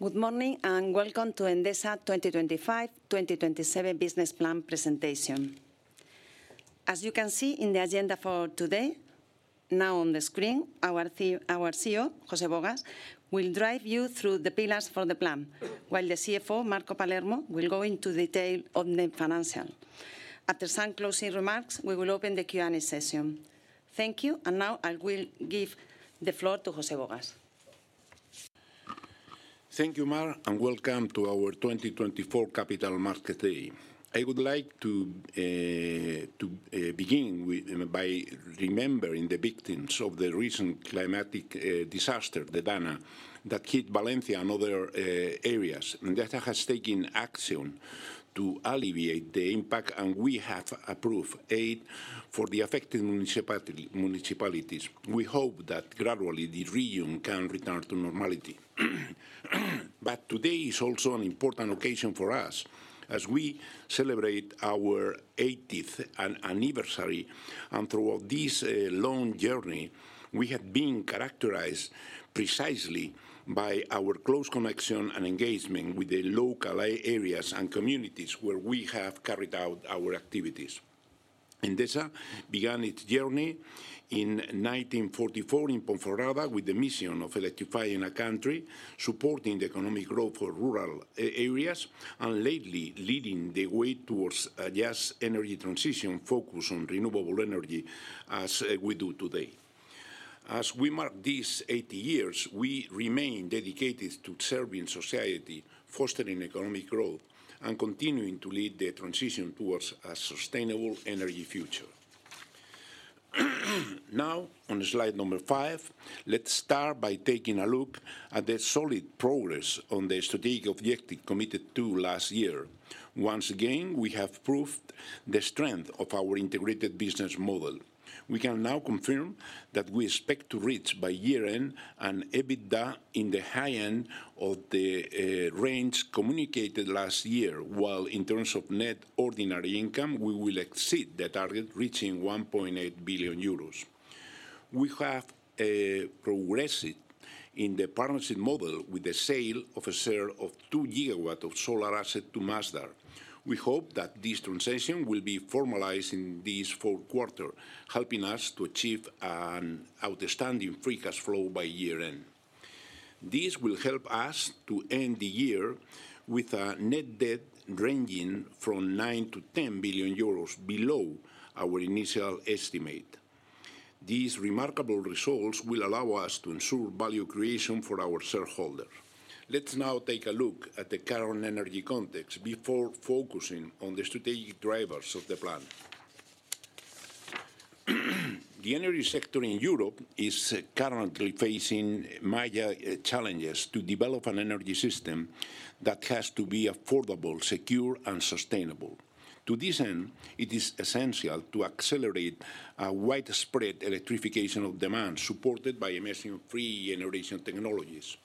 Good morning and welcome to Endesa 2025-2027 Business Plan Presentation. As you can see in the agenda for today, now on the screen, our CEO, José Bogas, will drive you through the pillars for the plan, while the CFO, Marco Palermo, will go into detail on the financials. After some closing remarks, we will open the Q&A session. Thank you, and now I will give the floor to José Bogas. Thank you, Mar, and welcome to our 2024 Capital Markets Day. I would like to begin by remembering the victims of the recent climatic disaster, the DANA, that hit Valencia and other areas. Endesa has taken action to alleviate the impact, and we have approved aid for the affected municipalities. We hope that gradually the region can return to normality, but today is also an important occasion for us as we celebrate our 80th anniversary, and throughout this long journey, we have been characterized precisely by our close connection and engagement with the local areas and communities where we have carried out our activities. Endesa began its journey in 1944 in Ponferrada with the mission of electrifying a country, supporting the economic growth of rural areas, and lately leading the way towards a just energy transition focused on renewable energy, as we do today. As we mark these 80 years, we remain dedicated to serving society, fostering economic growth, and continuing to lead the transition towards a sustainable energy future. Now, on slide number five, let's start by taking a look at the solid progress on the strategic objective committed to last year. Once again, we have proved the strength of our integrated business model. We can now confirm that we expect to reach by year-end an EBITDA in the high end of the range communicated last year, while in terms of net ordinary income, we will exceed the target, reaching 1.8 billion euros. We have progressed in the partnership model with the sale of a share of two gigawatts of solar assets to Masdar. We hope that this transition will be formalized in this fourth quarter, helping us to achieve an outstanding free cash flow by year-end. This will help us to end the year with a net debt ranging from €9 to €10 billion below our initial estimate. These remarkable results will allow us to ensure value creation for our shareholders. Let's now take a look at the current energy context before focusing on the strategic drivers of the plan. The energy sector in Europe is currently facing major challenges to develop an energy system that has to be affordable, secure, and sustainable. To this end, it is essential to accelerate widespread electrification of demand, supported by emission-free generation technologies.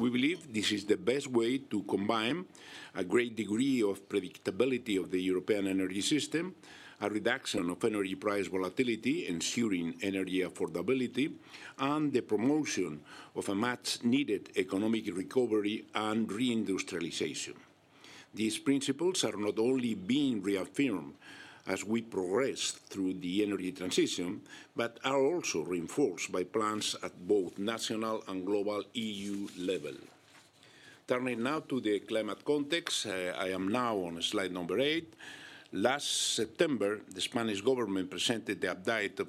We believe this is the best way to combine a great degree of predictability of the European energy system, a reduction of energy price volatility, ensuring energy affordability, and the promotion of a much-needed economic recovery and reindustrialization. These principles are not only being reaffirmed as we progress through the energy transition, but are also reinforced by plans at both national and global EU level. Turning now to the climate context, I am now on slide number eight. Last September, the Spanish government presented the update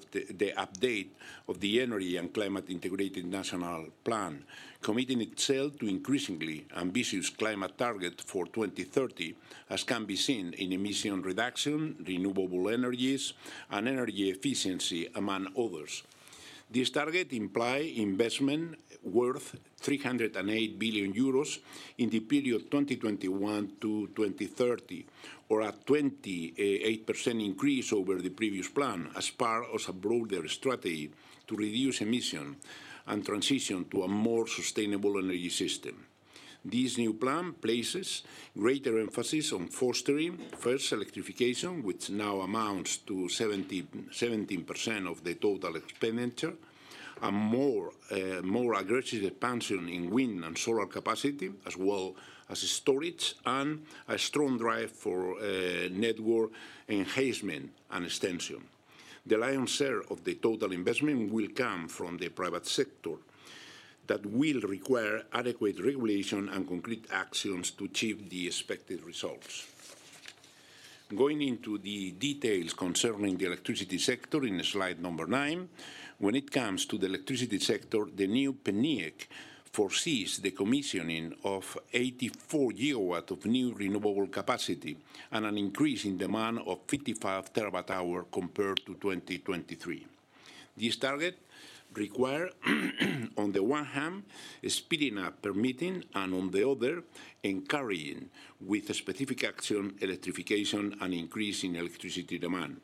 of the Energy and Climate Integrated National Plan, committing itself to increasingly ambitious climate targets for 2030, as can be seen in emission reduction, renewable energies, and energy efficiency, among others. These targets imply investment worth 308 billion euros in the period 2021 to 2030, or a 28% increase over the previous plan, as part of a broader strategy to reduce emissions and transition to a more sustainable energy system. This new plan places greater emphasis on fostering first electrification, which now amounts to 17% of the total expenditure, a more aggressive expansion in wind and solar capacity, as well as storage, and a strong drive for network enhancement and extension. The lion's share of the total investment will come from the private sector, that will require adequate regulation and concrete actions to achieve the expected results. Going into the details concerning the electricity sector in slide number 9, when it comes to the electricity sector, the new PNIEC foresees the commissioning of 84 gigawatts of new renewable capacity and an increase in demand of 55 terawatt-hours compared to 2023. These targets require, on the one hand, speeding up permitting and, on the other, encouraging, with specific action, electrification and increasing electricity demand.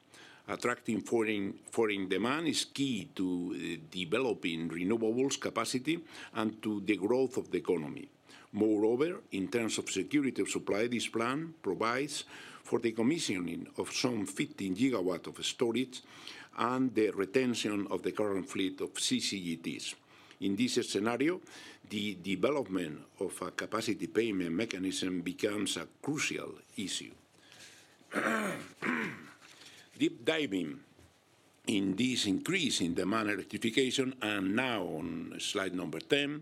Attracting foreign demand is key to developing renewables capacity and to the growth of the economy. Moreover, in terms of security of supply, this plan provides for the commissioning of some 15 gigawatts of storage and the retention of the current fleet of CCGTs. In this scenario, the development of a capacity payment mechanism becomes a crucial issue. Deep diving in this increase in demand electrification, and now on slide number 10,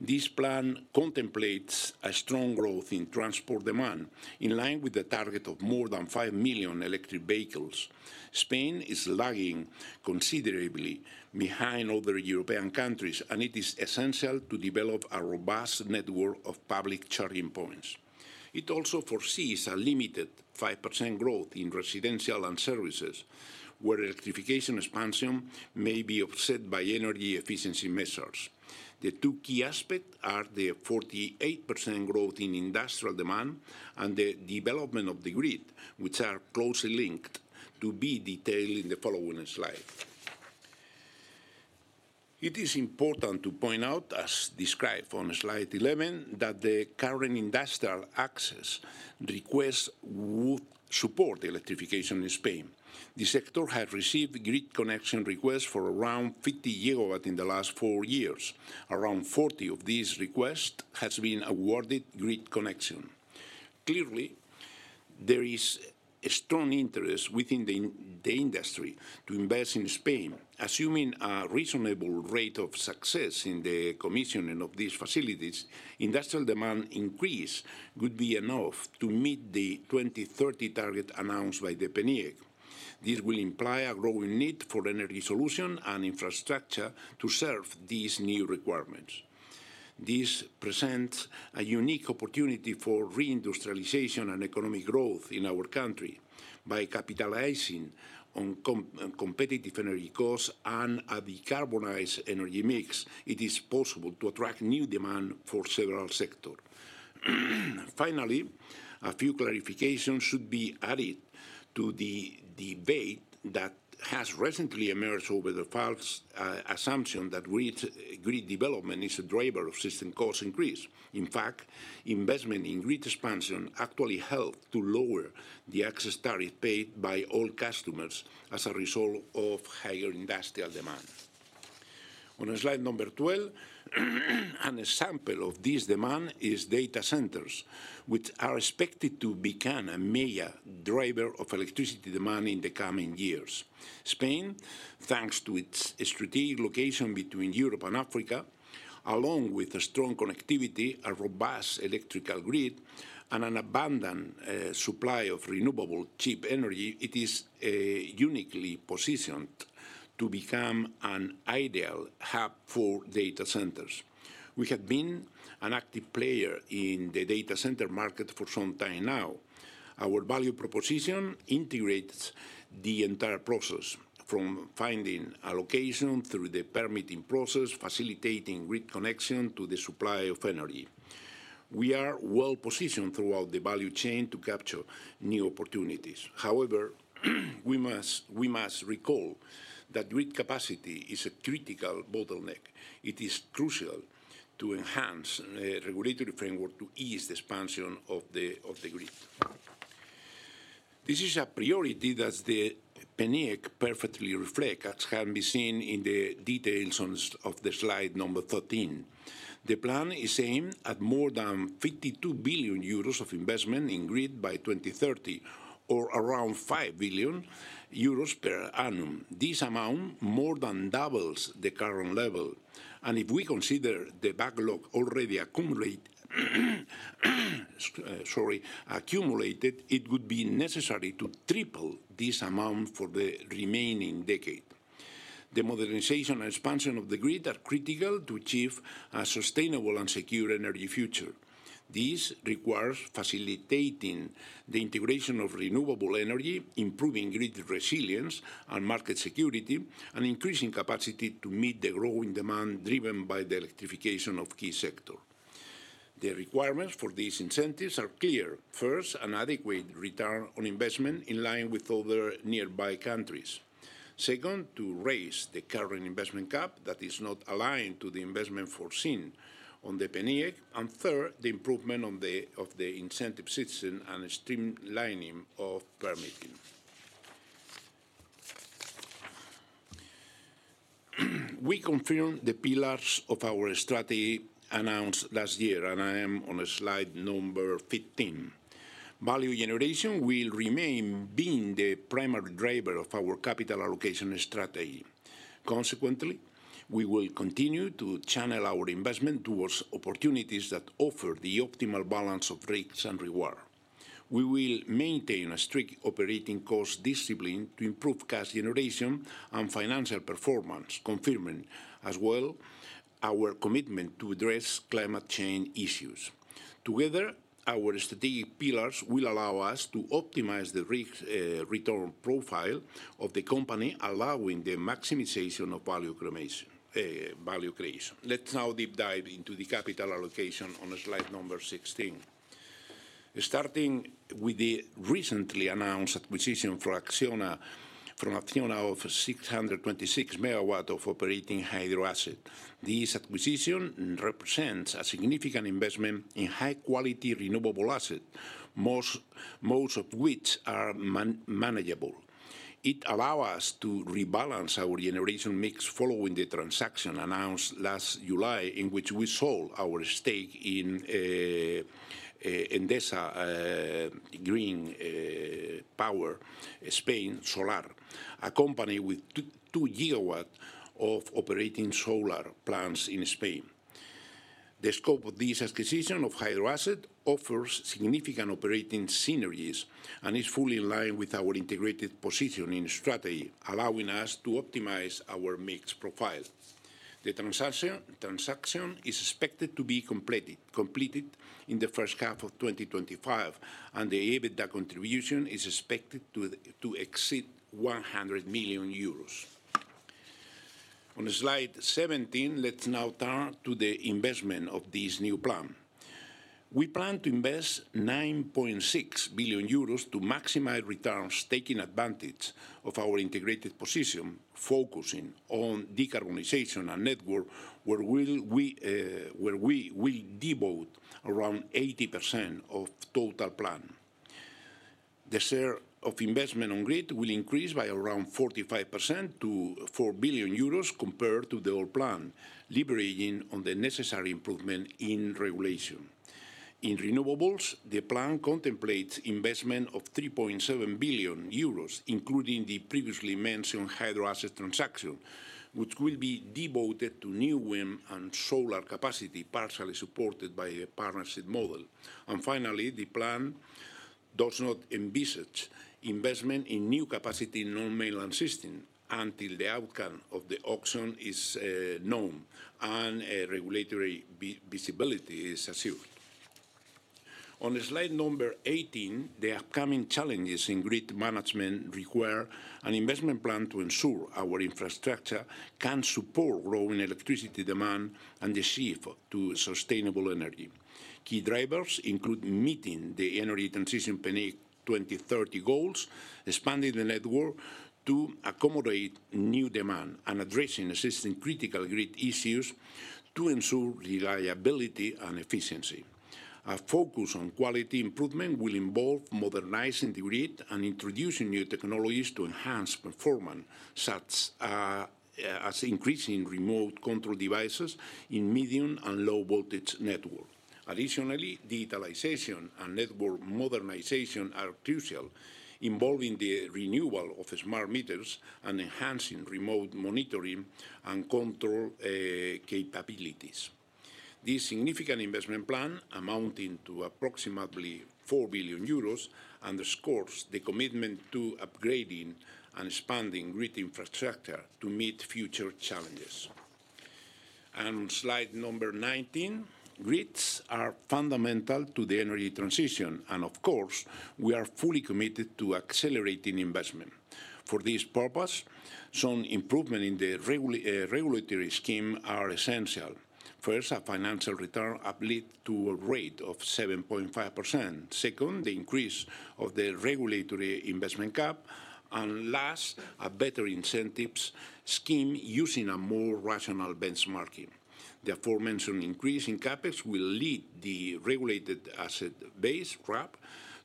this plan contemplates a strong growth in transport demand, in line with the target of more than five million electric vehicles. Spain is lagging considerably behind other European countries, and it is essential to develop a robust network of public charging points. It also foresees a limited 5% growth in residential and services, where electrification expansion may be offset by energy efficiency measures. The two key aspects are the 48% growth in industrial demand and the development of the grid, which are closely linked, to be detailed in the following slide. It is important to point out, as described on slide 11, that the current industrial access requests would support electrification in Spain. The sector has received grid connection requests for around 50 gigawatts in the last four years. Around 40 of these requests have been awarded grid connection. Clearly, there is a strong interest within the industry to invest in Spain. Assuming a reasonable rate of success in the commissioning of these facilities, industrial demand increase would be enough to meet the 2030 target announced by the PNIEC. This will imply a growing need for energy solutions and infrastructure to serve these new requirements. This presents a unique opportunity for reindustrialization and economic growth in our country. By capitalizing on competitive energy costs and a decarbonized energy mix, it is possible to attract new demand for several sectors. Finally, a few clarifications should be added to the debate that has recently emerged over the false assumption that grid development is a driver of system cost increase. In fact, investment in grid expansion actually helped to lower the excess tariff paid by all customers as a result of higher industrial demand. On slide number 12, an example of this demand is data centers, which are expected to become a major driver of electricity demand in the coming years. Spain, thanks to its strategic location between Europe and Africa, along with strong connectivity, a robust electrical grid, and an abundant supply of renewable cheap energy, is uniquely positioned to become an ideal hub for data centers. We have been an active player in the data center market for some time now. Our value proposition integrates the entire process, from finding a location through the permitting process, facilitating grid connection to the supply of energy. We are well positioned throughout the value chain to capture new opportunities. However, we must recall that grid capacity is a critical bottleneck. It is crucial to enhance the regulatory framework to ease the expansion of the grid. This is a priority that the PNIEC perfectly reflects, as can be seen in the details of slide number 13. The plan is aimed at more than 52 billion euros of investment in grid by 2030, or around 5 billion euros per annum. This amount more than doubles the current level. And if we consider the backlog already accumulated, it would be necessary to triple this amount for the remaining decade. The modernization and expansion of the grid are critical to achieve a sustainable and secure energy future. This requires facilitating the integration of renewable energy, improving grid resilience and market security, and increasing capacity to meet the growing demand driven by the electrification of key sectors. The requirements for these incentives are clear. First, an adequate return on investment in line with other nearby countries. Second, to raise the current investment cap that is not aligned to the investment foreseen on the PNIEC. And third, the improvement of the incentive system and streamlining of permitting. We confirmed the pillars of our strategy announced last year, and I am on slide number 15. Value generation will remain being the primary driver of our capital allocation strategy. Consequently, we will continue to channel our investment towards opportunities that offer the optimal balance of risks and reward. We will maintain a strict operating cost discipline to improve cash generation and financial performance, confirming as well our commitment to address climate change issues. Together, our strategic pillars will allow us to optimize the return profile of the company, allowing the maximization of value creation. Let's now deep dive into the capital allocation on slide number 16. Starting with the recently announced acquisition from Acciona of 626 megawatts of operating hydro assets. This acquisition represents a significant investment in high-quality renewable assets, most of which are manageable. It allows us to rebalance our generation mix following the transaction announced last July, in which we sold our stake in Endesa Green Power Spain Solar, a company with 2 gigawatts of operating solar plants in Spain. The scope of this acquisition of hydro assets offers significant operating synergies and is fully in line with our integrated positioning strategy, allowing us to optimize our mix profile. The transaction is expected to be completed in the first half of 2025, and the EBITDA contribution is expected to exceed 100 million euros. On slide 17, let's now turn to the investment of this new plan. We plan to invest 9.6 billion euros to maximize returns, taking advantage of our integrated position, focusing on decarbonization and network, where we will devote around 80% of total plan. The share of investment on grid will increase by around 45% to 4 billion euros compared to the old plan, liberating on the necessary improvement in regulation. In renewables, the plan contemplates investment of 3.7 billion euros, including the previously mentioned hydro assets transaction, which will be devoted to new wind and solar capacity, partially supported by the partnership model. Finally, the plan does not envisage investment in new capacity non-mainland systems until the outcome of the auction is known and regulatory visibility is assured. On slide number 18, the upcoming challenges in grid management require an investment plan to ensure our infrastructure can support growing electricity demand and achieve sustainable energy. Key drivers include meeting the Energy Transition PNIEC 2030 goals, expanding the network to accommodate new demand, and addressing existing critical grid issues to ensure reliability and efficiency. A focus on quality improvement will involve modernizing the grid and introducing new technologies to enhance performance, such as increasing remote control devices in medium and low-voltage networks. Additionally, digitalization and network modernization are crucial, involving the renewal of smart meters and enhancing remote monitoring and control capabilities. This significant investment plan, amounting to approximately 4 billion euros, underscores the commitment to upgrading and expanding grid infrastructure to meet future challenges. On slide number 19, grids are fundamental to the energy transition, and of course, we are fully committed to accelerating investment. For this purpose, some improvements in the regulatory scheme are essential. First, a financial return uplift to a rate of 7.5%. Second, the increase of the regulatory investment cap. And last, a better incentives scheme using a more rational benchmarking. The aforementioned increase in CapEx will lead the regulated asset base cap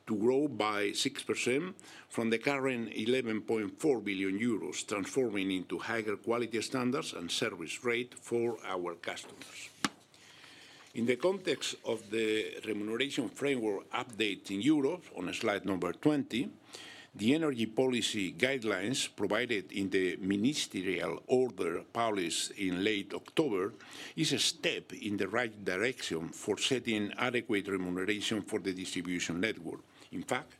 to grow by 6% from the current 11.4 billion euros, transforming into higher quality standards and service rate for our customers. In the context of the remuneration framework update in euros, on slide number 20, the energy policy guidelines provided in the ministerial order published in late October is a step in the right direction for setting adequate remuneration for the distribution network. In fact,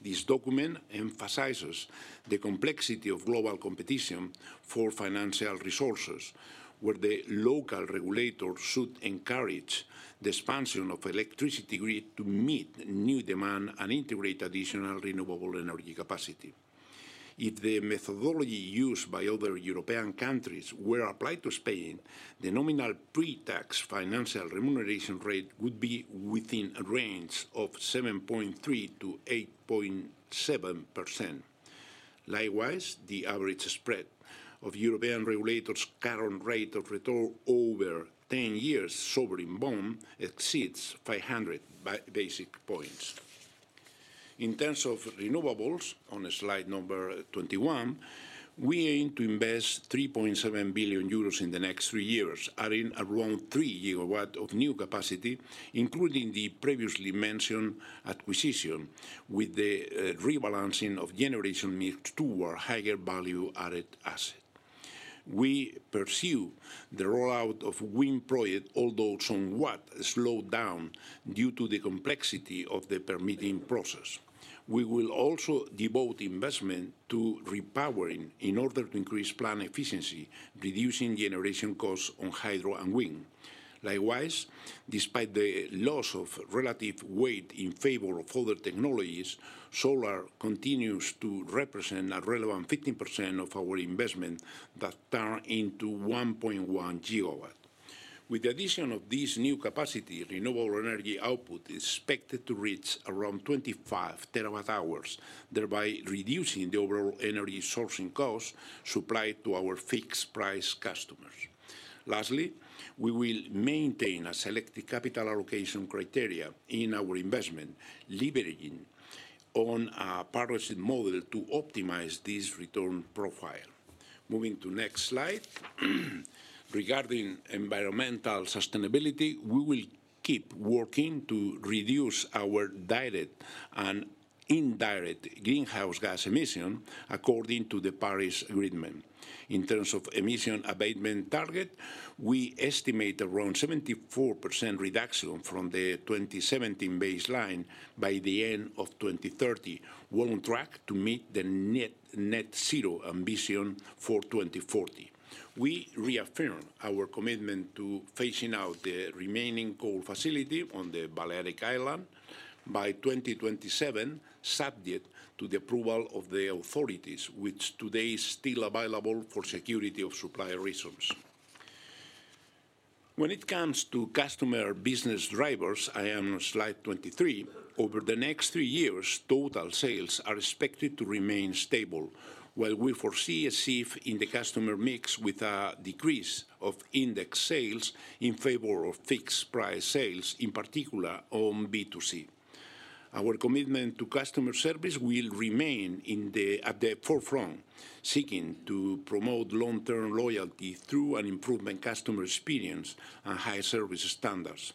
this document emphasizes the complexity of global competition for financial resources, where the local regulator should encourage the expansion of electricity grid to meet new demand and integrate additional renewable energy capacity. If the methodology used by other European countries were applied to Spain, the nominal pre-tax financial remuneration rate would be within a range of 7.3%-8.7%. Likewise, the average spread of European regulators' current rate of return over 10 years sovereign bond exceeds 500 basis points. In terms of renewables, on slide number 21, we aim to invest €3.7 billion in the next three years, adding around three gigawatts of new capacity, including the previously mentioned acquisition, with the rebalancing of generation mix toward higher value-added assets. We pursue the rollout of wind projects, although somewhat slowed down due to the complexity of the permitting process. We will also devote investment to repowering in order to increase plant efficiency, reducing generation costs on hydro and wind. Likewise, despite the loss of relative weight in favor of other technologies, solar continues to represent a relevant 15% of our investment that turns into 1.1 gigawatts. With the addition of this new capacity, renewable energy output is expected to reach around 25 terawatt-hours, thereby reducing the overall energy sourcing costs supplied to our fixed-price customers. Lastly, we will maintain a selective capital allocation criteria in our investment, leveraging on a partnership model to optimize this return profile. Moving to the next slide. Regarding environmental sustainability, we will keep working to reduce our direct and indirect greenhouse gas emissions according to the Paris Agreement. In terms of emission abatement target, we estimate around 74% reduction from the 2017 baseline by the end of 2030, on track to meet the net-zero ambition for 2040. We reaffirm our commitment to phasing out the remaining coal facility on the Balearic Islands by 2027, subject to the approval of the authorities, which today is still available for security of supply reasons. When it comes to customer business drivers, I am on slide 23. Over the next three years, total sales are expected to remain stable, while we foresee a shift in the customer mix with a decrease of index sales in favor of fixed-price sales, in particular on B2C. Our commitment to customer service will remain at the forefront, seeking to promote long-term loyalty through an improved customer experience and high service standards.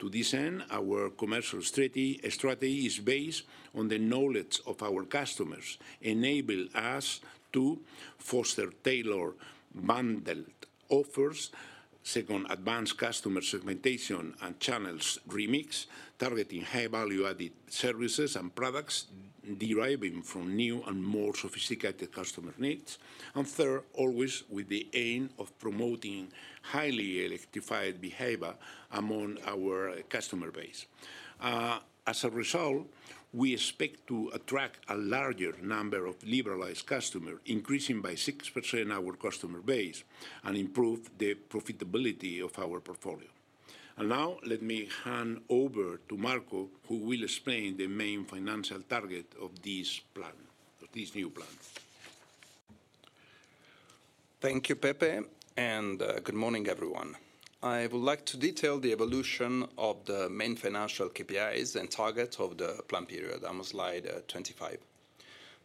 To this end, our commercial strategy is based on the knowledge of our customers, enabling us to foster tailored bundled offers second to advanced customer segmentation and channels remix, targeting high-value-added services and products deriving from new and more sophisticated customer needs. And third, always with the aim of promoting highly electrified behavior among our customer base. As a result, we expect to attract a larger number of liberalized customers, increasing by 6% our customer base and improving the profitability of our portfolio. And now, let me hand over to Marco, who will explain the main financial target of this plan, of this new plan. Thank you, Pepe, and good morning, everyone. I would like to detail the evolution of the main financial KPIs and targets of the plan period on slide 25.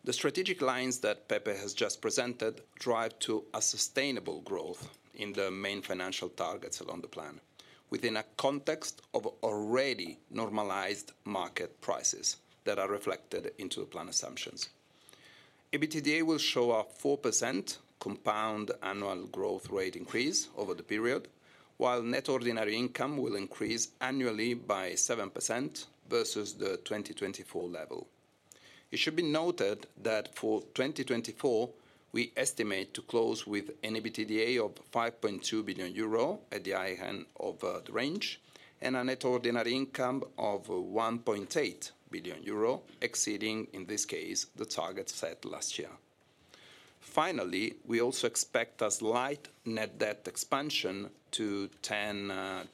The strategic lines that Pepe has just presented drive to a sustainable growth in the main financial targets along the plan, within a context of already normalized market prices that are reflected into the plan assumptions. EBITDA will show a 4% compound annual growth rate increase over the period, while net ordinary income will increase annually by 7% versus the 2024 level. It should be noted that for 2024, we estimate to close with an EBITDA of 5.2 billion euro at the high end of the range and a net ordinary income of 1.8 billion euro, exceeding, in this case, the targets set last year. Finally, we also expect a slight net debt expansion to 10-11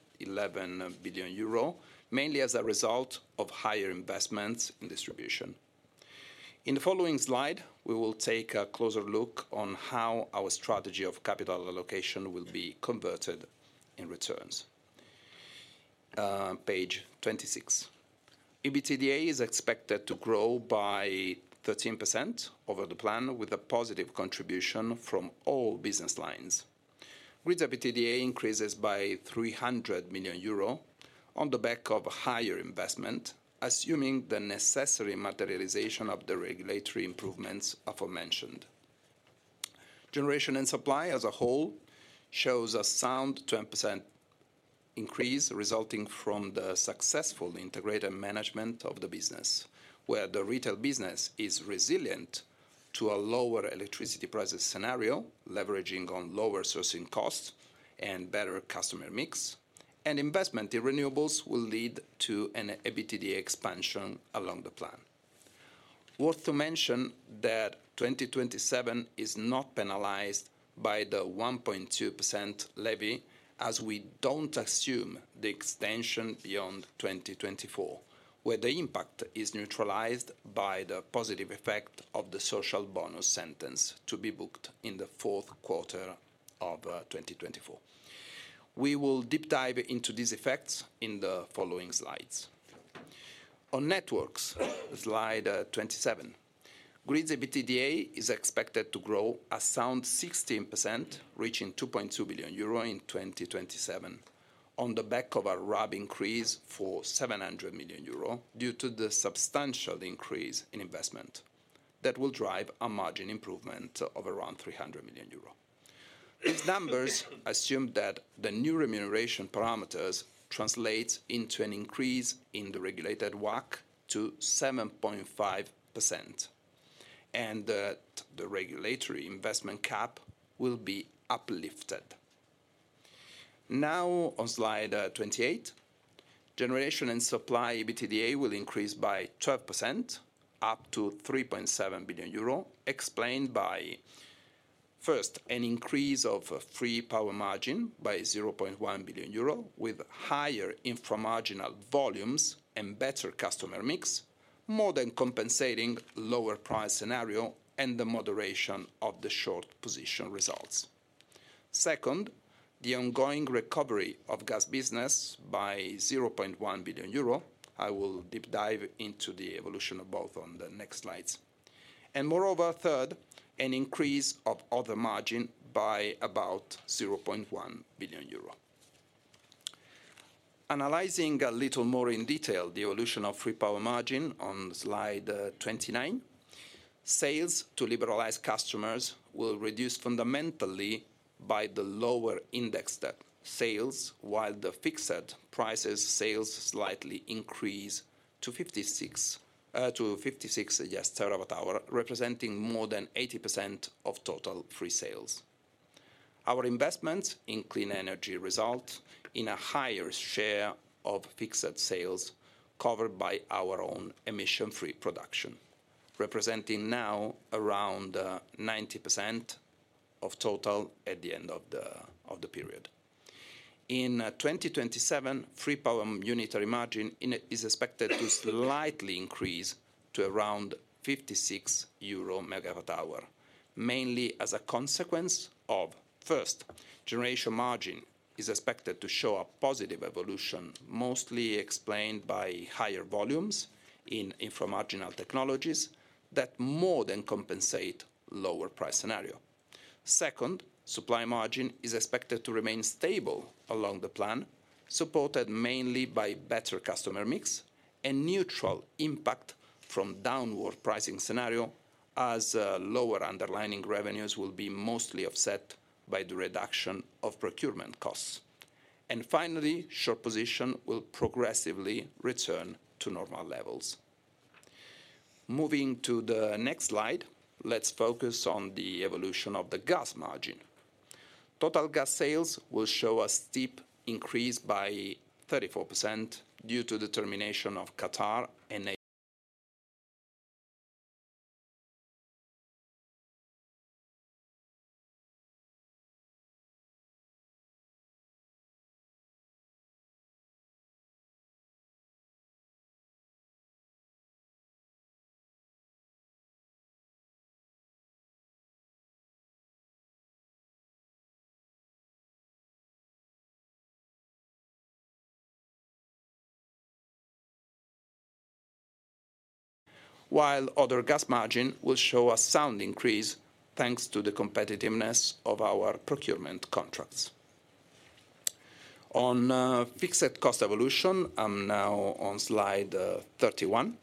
billion euro, mainly as a result of higher investments in distribution. In the following slide, we will take a closer look on how our strategy of capital allocation will be converted in returns. Page 26. EBITDA is expected to grow by 13% over the plan, with a positive contribution from all business lines. Grid EBITDA increases by 300 million euro on the back of higher investment, assuming the necessary materialization of the regulatory improvements aforementioned. Generation and supply as a whole shows a sound 10% increase resulting from the successful integrated management of the business, where the retail business is resilient to a lower electricity prices scenario, leveraging on lower sourcing costs and better customer mix, and investment in renewables will lead to an EBITDA expansion along the plan. Worth to mention that 2027 is not penalized by the 1.2% levy, as we don't assume the extension beyond 2024, where the impact is neutralized by the positive effect of the social bonus settlement to be booked in the fourth quarter of 2024. We will deep dive into these effects in the following slides. On networks, slide 27, grid EBITDA is expected to grow a sound 16%, reaching 2.2 billion euro in 2027, on the back of a RAB increase for 700 million euro due to the substantial increase in investment that will drive a margin improvement of around 300 million euro. These numbers assume that the new remuneration parameters translate into an increase in the regulated WACC to 7.5%, and the regulatory investment cap will be uplifted. Now, on slide 28, generation and supply EBITDA will increase by 12%, up to 3.7 billion euro, explained by first, an increase of free power margin by 0.1 billion euro, with higher inframarginal volumes and better customer mix, more than compensating lower price scenario and the moderation of the short position results. Second, the ongoing recovery of gas business by 0.1 billion euro. I will deep dive into the evolution of both on the next slides. And moreover, third, an increase of other margin by about 0.1 billion euro. Analyzing a little more in detail the evolution of free power margin on slide 29, sales to liberalized customers will reduce fundamentally by the lower indexed sales, while the fixed prices sales slightly increase to 56 terawatt-hour, representing more than 80% of total free sales. Our investments in clean energy result in a higher share of fixed sales covered by our own emission-free production, representing now around 90% of total at the end of the period. In 2027, free power unitary margin is expected to slightly increase to around 56 euro megawatt-hour, mainly as a consequence of first, generation margin is expected to show a positive evolution, mostly explained by higher volumes in inframarginal technologies that more than compensate lower price scenario. Second, supply margin is expected to remain stable along the plan, supported mainly by better customer mix and neutral impact from downward pricing scenario, as lower underlying revenues will be mostly offset by the reduction of procurement costs. And finally, short position will progressively return to normal levels. Moving to the next slide, let's focus on the evolution of the gas margin. Total gas sales will show a steep increase by 34% due to the termination of Qatar and Nigeria. While the other gas margin will show a sound increase thanks to the competitiveness of our procurement contracts. On fixed cost evolution, I'm now on slide 31.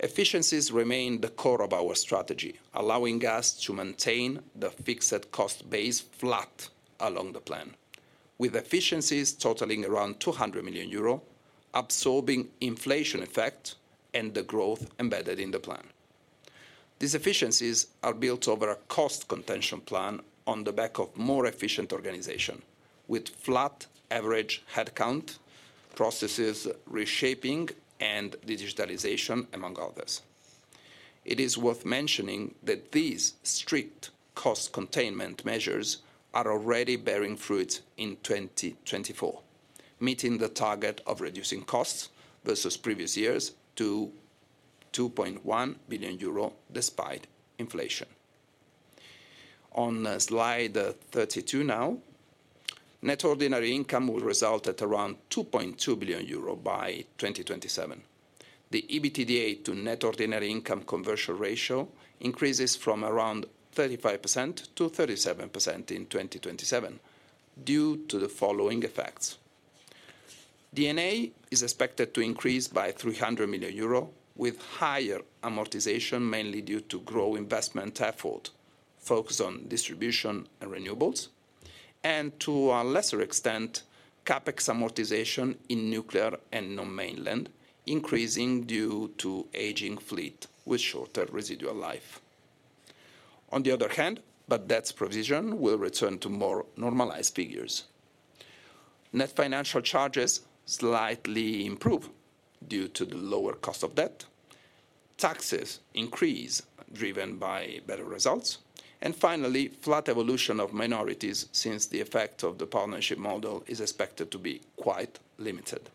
Efficiencies remain the core of our strategy, allowing us to maintain the fixed cost base flat along the plan, with efficiencies totaling around 200 million euro, absorbing inflation effect and the growth embedded in the plan. These efficiencies are built over a cost containment plan on the back of more efficient organization, with flat average headcount, processes reshaping, and digitalization, among others. It is worth mentioning that these strict cost containment measures are already bearing fruit in 2024, meeting the target of reducing costs versus previous years to 2.1 billion euro despite inflation. On slide 32 now, net ordinary income will result at around 2.2 billion euro by 2027. The EBITDA to net ordinary income conversion ratio increases from around 35% to 37% in 2027 due to the following effects. D&A is expected to increase by 300 million euro, with higher amortization, mainly due to growing investment effort focused on distribution and renewables, and to a lesser extent, CapEx amortization in nuclear and non-mainland, increasing due to aging fleet with shorter residual life. On the other hand, bad debt provision will return to more normalized figures. Net financial charges slightly improve due to the lower cost of debt. Taxes increase driven by better results. And finally, flat evolution of minorities since the effect of the partnership model is expected to be quite limited.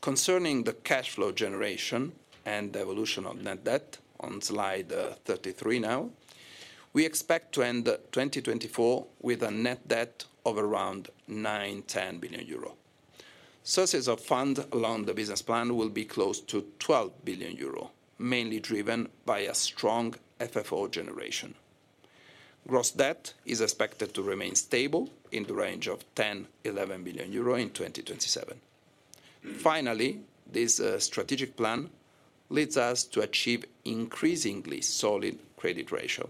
Concerning the cash flow generation and the evolution of net debt on slide 33 now, we expect to end 2024 with a net debt of around €9-10 billion. Sources of funds along the business plan will be close to €12 billion, mainly driven by a strong FFO generation. Gross debt is expected to remain stable in the range of €10-11 billion in 2027. Finally, this strategic plan leads us to achieve increasingly solid credit ratio.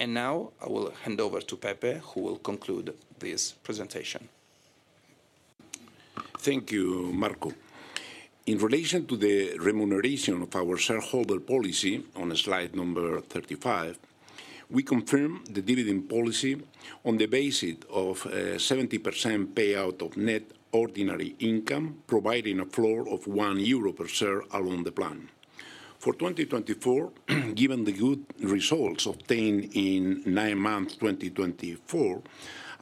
And now I will hand over to Pepe, who will conclude this presentation. Thank you, Marco.In relation to the remuneration of our shareholder policy on slide number 35, we confirm the dividend policy on the basis of a 70% payout of net ordinary income, providing a floor of 1 euro per share along the plan. For 2024, given the good results obtained in nine months 2024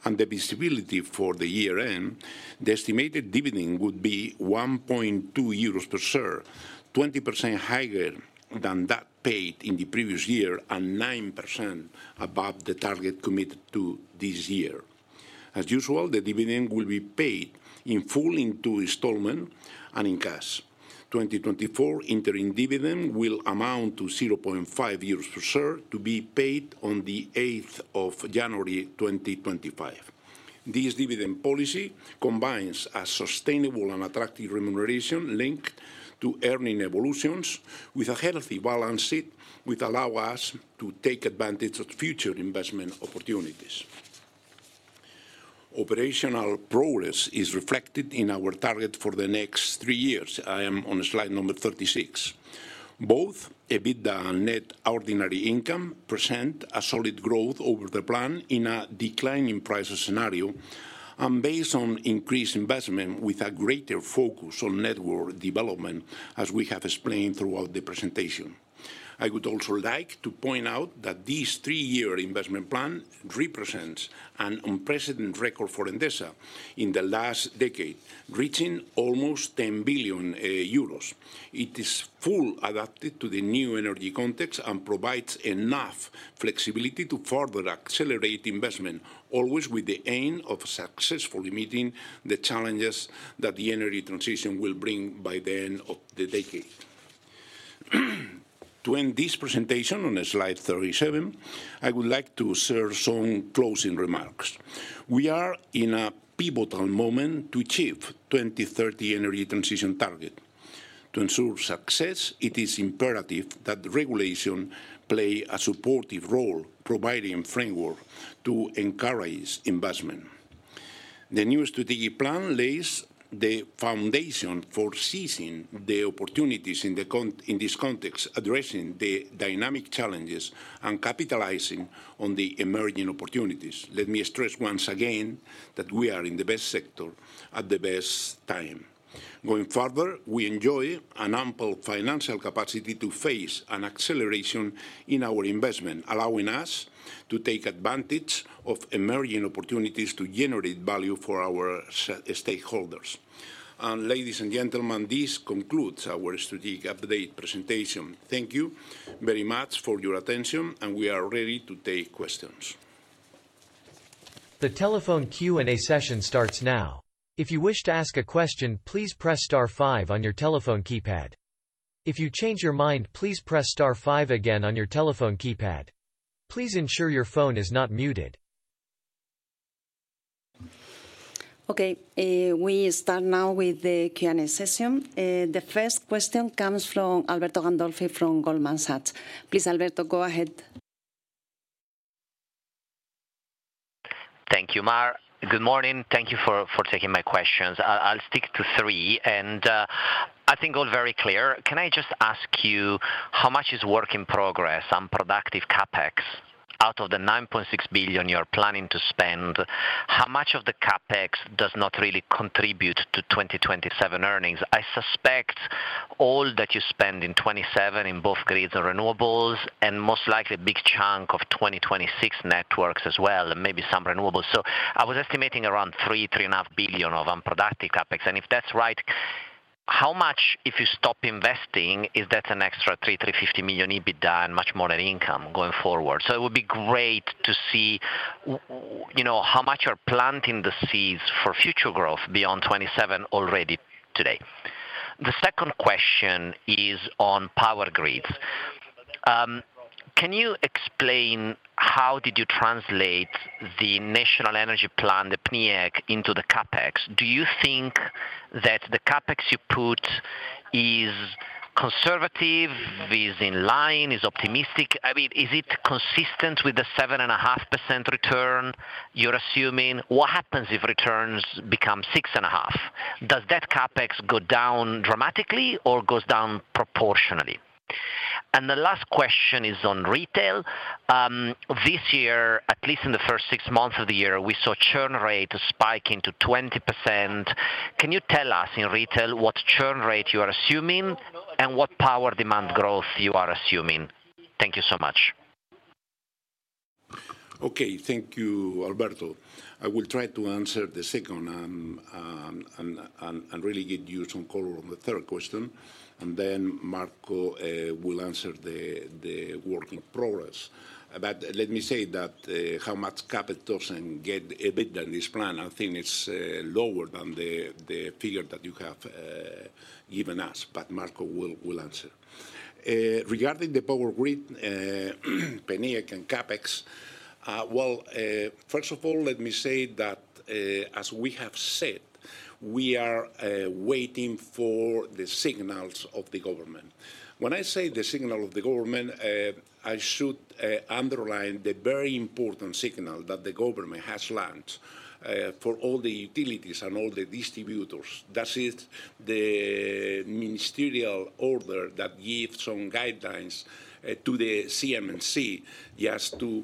and the visibility for the year end, the estimated dividend would be 1.2 euros per share, 20% higher than that paid in the previous year and 9% above the target committed to this year. As usual, the dividend will be paid in full in one installment and in cash. 2024 interim dividend will amount to 0.5 euros per share to be paid on the 8th of January 2025. This dividend policy combines a sustainable and attractive remuneration linked to earning evolutions with a healthy balance sheet, which allows us to take advantage of future investment opportunities. Operational progress is reflected in our target for the next three years. I am on slide number 36. Both EBITDA and net ordinary income present a solid growth over the plan in a declining price scenario and based on increased investment with a greater focus on network development, as we have explained throughout the presentation. I would also like to point out that this three-year investment plan represents an unprecedented record for Endesa in the last decade, reaching almost 10 billion euros. It is fully adapted to the new energy context and provides enough flexibility to further accelerate investment, always with the aim of successfully meeting the challenges that the energy transition will bring by the end of the decade. To end this presentation on slide 37, I would like to share some closing remarks. We are in a pivotal moment to achieve the 2030 energy transition target. To ensure success, it is imperative that regulation play a supportive role, providing a framework to encourage investment. The new strategic plan lays the foundation for seizing the opportunities in this context, addressing the dynamic challenges and capitalizing on the emerging opportunities. Let me stress once again that we are in the best sector at the best time. Going further, we enjoy an ample financial capacity to face an acceleration in our investment, allowing us to take advantage of emerging opportunities to generate value for our stakeholders. And ladies and gentlemen, this concludes our strategic update presentation. Thank you very much for your attention, and we are ready to take questions. The telephone Q&A session starts now. If you wish to ask a question, please press star five on your telephone keypad. If you change your mind, please press star five again on your telephone keypad. Please ensure your phone is not muted. Okay, we start now with the Q&A session. The first question comes from Alberto Gandolfi from Goldman Sachs. Please, Alberto, go ahead. Thank you, Mar. Good morning. Thank you for taking my questions. I'll stick to three, and I think all very clear. Can I just ask you how much is work in progress on productive CapEx? Out of the €9.6 billion you're planning to spend, how much of the CapEx does not really contribute to 2027 earnings? I suspect all that you spend in 27 in both grids and renewables, and most likely a big chunk of 2026 networks as well, and maybe some renewables. So I was estimating around three, three and a half billion of unproductive CapEx. And if that's right, how much, if you stop investing, is that an extra 335 million EBITDA and much more in income going forward? So it would be great to see how much you're planting the seeds for future growth beyond 27 already today. The second question is on power grids. Can you explain how did you translate the national energy plan, the PNIEC, into the CapEx? Do you think that the CapEx you put is conservative, is in line, is optimistic? I mean, is it consistent with the 7.5% return you're assuming? What happens if returns become 6.5%? Does that CapEx go down dramatically or goes down proportionally? And the last question is on retail. This year, at least in the first six months of the year, we saw churn rate spike into 20%. Can you tell us in retail what churn rate you are assuming and what power demand growth you are assuming? Thank you so much. Okay, thank you, Alberto. I will try to answer the second and really give you some color on the third question. And then Marco will answer the work in progress. But let me say that how much CapEx doesn't get EBITDA in this plan, I think it's lower than the figure that you have given us. But Marco will answer. Regarding the power grid, PNIEC and CapEx, well, first of all, let me say that as we have said, we are waiting for the signals of the government. When I say the signal of the government, I should underline the very important signal that the government has launched for all the utilities and all the distributors. That is the ministerial order that gives some guidelines to the CNMC just to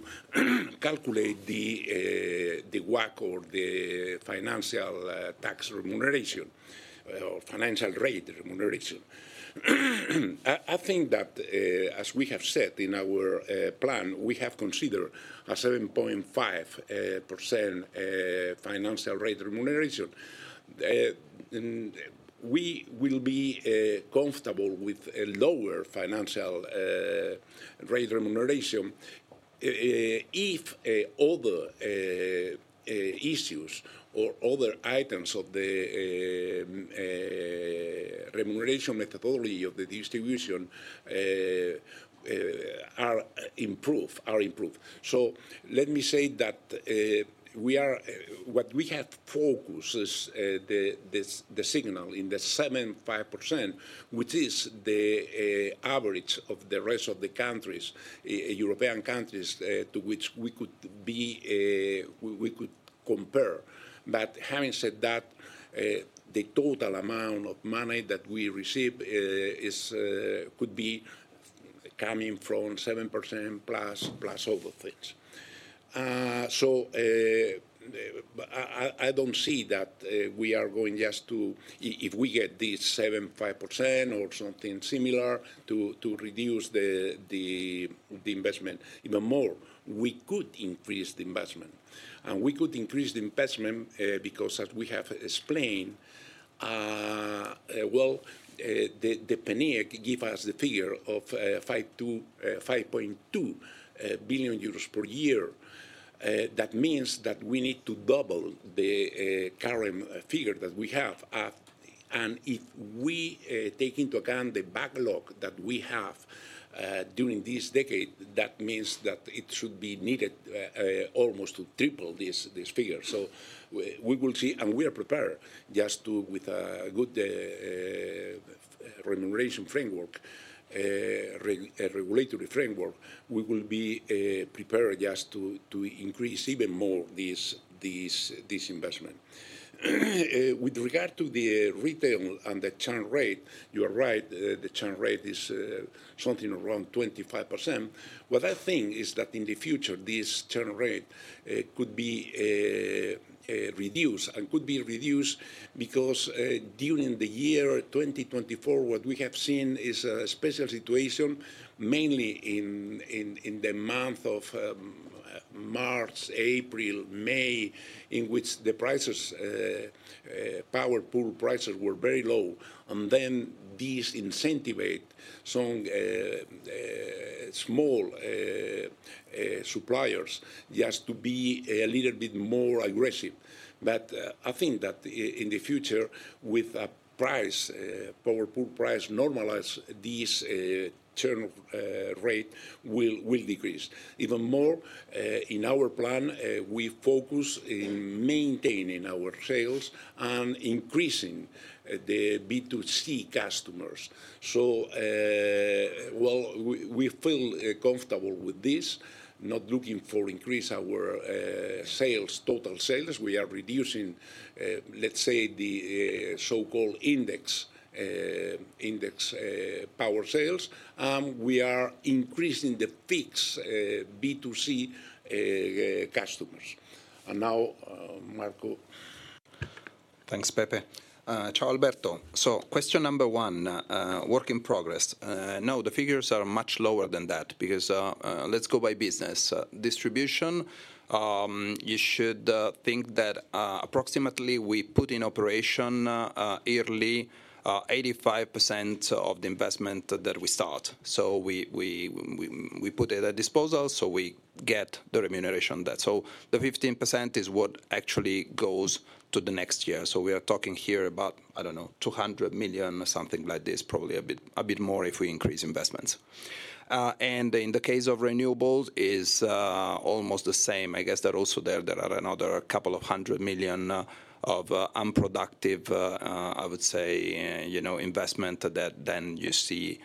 calculate the WACC or the financial tax remuneration or financial rate remuneration. I think that as we have said in our plan, we have considered a 7.5% financial rate remuneration. We will be comfortable with a lower financial rate remuneration if other issues or other items of the remuneration methodology of the distribution are improved. Let me say that what we have focused is the signal in the 7.5%, which is the average of the rest of the countries, European countries to which we could compare. But having said that, the total amount of money that we receive could be coming from 7% plus other things. I don't see that we are going just to, if we get this 7.5% or something similar, reduce the investment even more. We could increase the investment. We could increase the investment because, as we have explained, well, the PNIEC gave us the figure of 5.2 billion euros per year. That means that we need to double the current figure that we have. If we take into account the backlog that we have during this decade, that means that it should be needed almost to triple this figure. We will see, and we are prepared just to, with a good remuneration framework, regulatory framework, we will be prepared just to increase even more this investment. With regard to the retail and the churn rate, you are right, the churn rate is something around 25%. What I think is that in the future, this churn rate could be reduced and could be reduced because during the year 2024, what we have seen is a special situation, mainly in the month of March, April, May, in which the prices, power pool prices were very low. And then this incentivized some small suppliers just to be a little bit more aggressive. But I think that in the future, with a price, power pool price normalized, this churn rate will decrease. Even more, in our plan, we focus in maintaining our sales and increasing the B2C customers. So, well, we feel comfortable with this, not looking for increase in our total sales. We are reducing, let's say, the so-called index power sales, and we are increasing the fixed B2C customers. And now, Marco. Thanks, Pepe. Ciao, Alberto. So question number one, work in progress. No, the figures are much lower than that because let's go by business. Distribution, you should think that approximately we put in operation yearly 85% of the investment that we start. So we put it at disposal, so we get the remuneration that. So the 15% is what actually goes to the next year. So we are talking here about, I don't know, 200 million or something like this, probably a bit more if we increase investments. And in the case of renewables, it's almost the same. I guess that also there are another couple of hundred million of unproductive, I would say, investment that then you see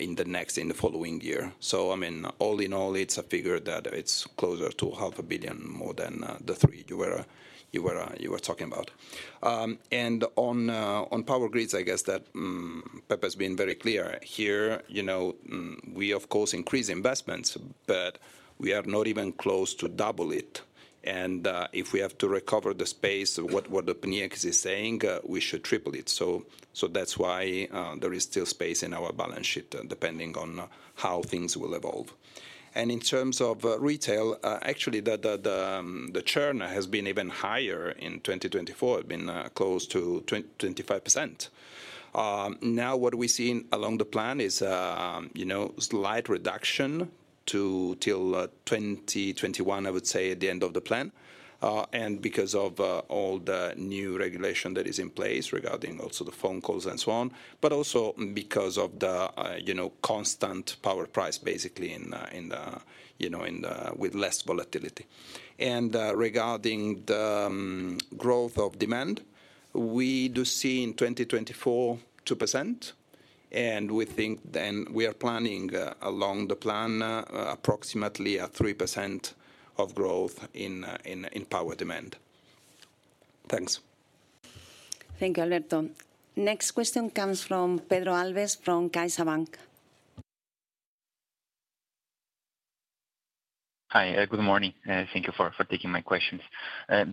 in the next, in the following year. So, I mean, all in all, it's a figure that it's closer to 500 million more than the three you were talking about. On power grids, I guess that Pepe has been very clear here. We, of course, increase investments, but we are not even close to double it. If we have to recover the space, what the PNIEC is saying, we should triple it. That's why there is still space in our balance sheet, depending on how things will evolve. In terms of retail, actually, the churn has been even higher in 2024. It's been close to 25%. Now, what we see along the plan is a slight reduction till 2021, I would say, at the end of the plan. Because of all the new regulation that is in place regarding also the phone calls and so on, but also because of the constant power price, basically, with less volatility. Regarding the growth of demand, we do see in 2024, 2%. We think then we are planning along the plan approximately 3% growth in power demand. Thanks. Thank you, Alberto. Next question comes from Pedro Alves from CaixaBank. Hi, good morning. Thank you for taking my questions.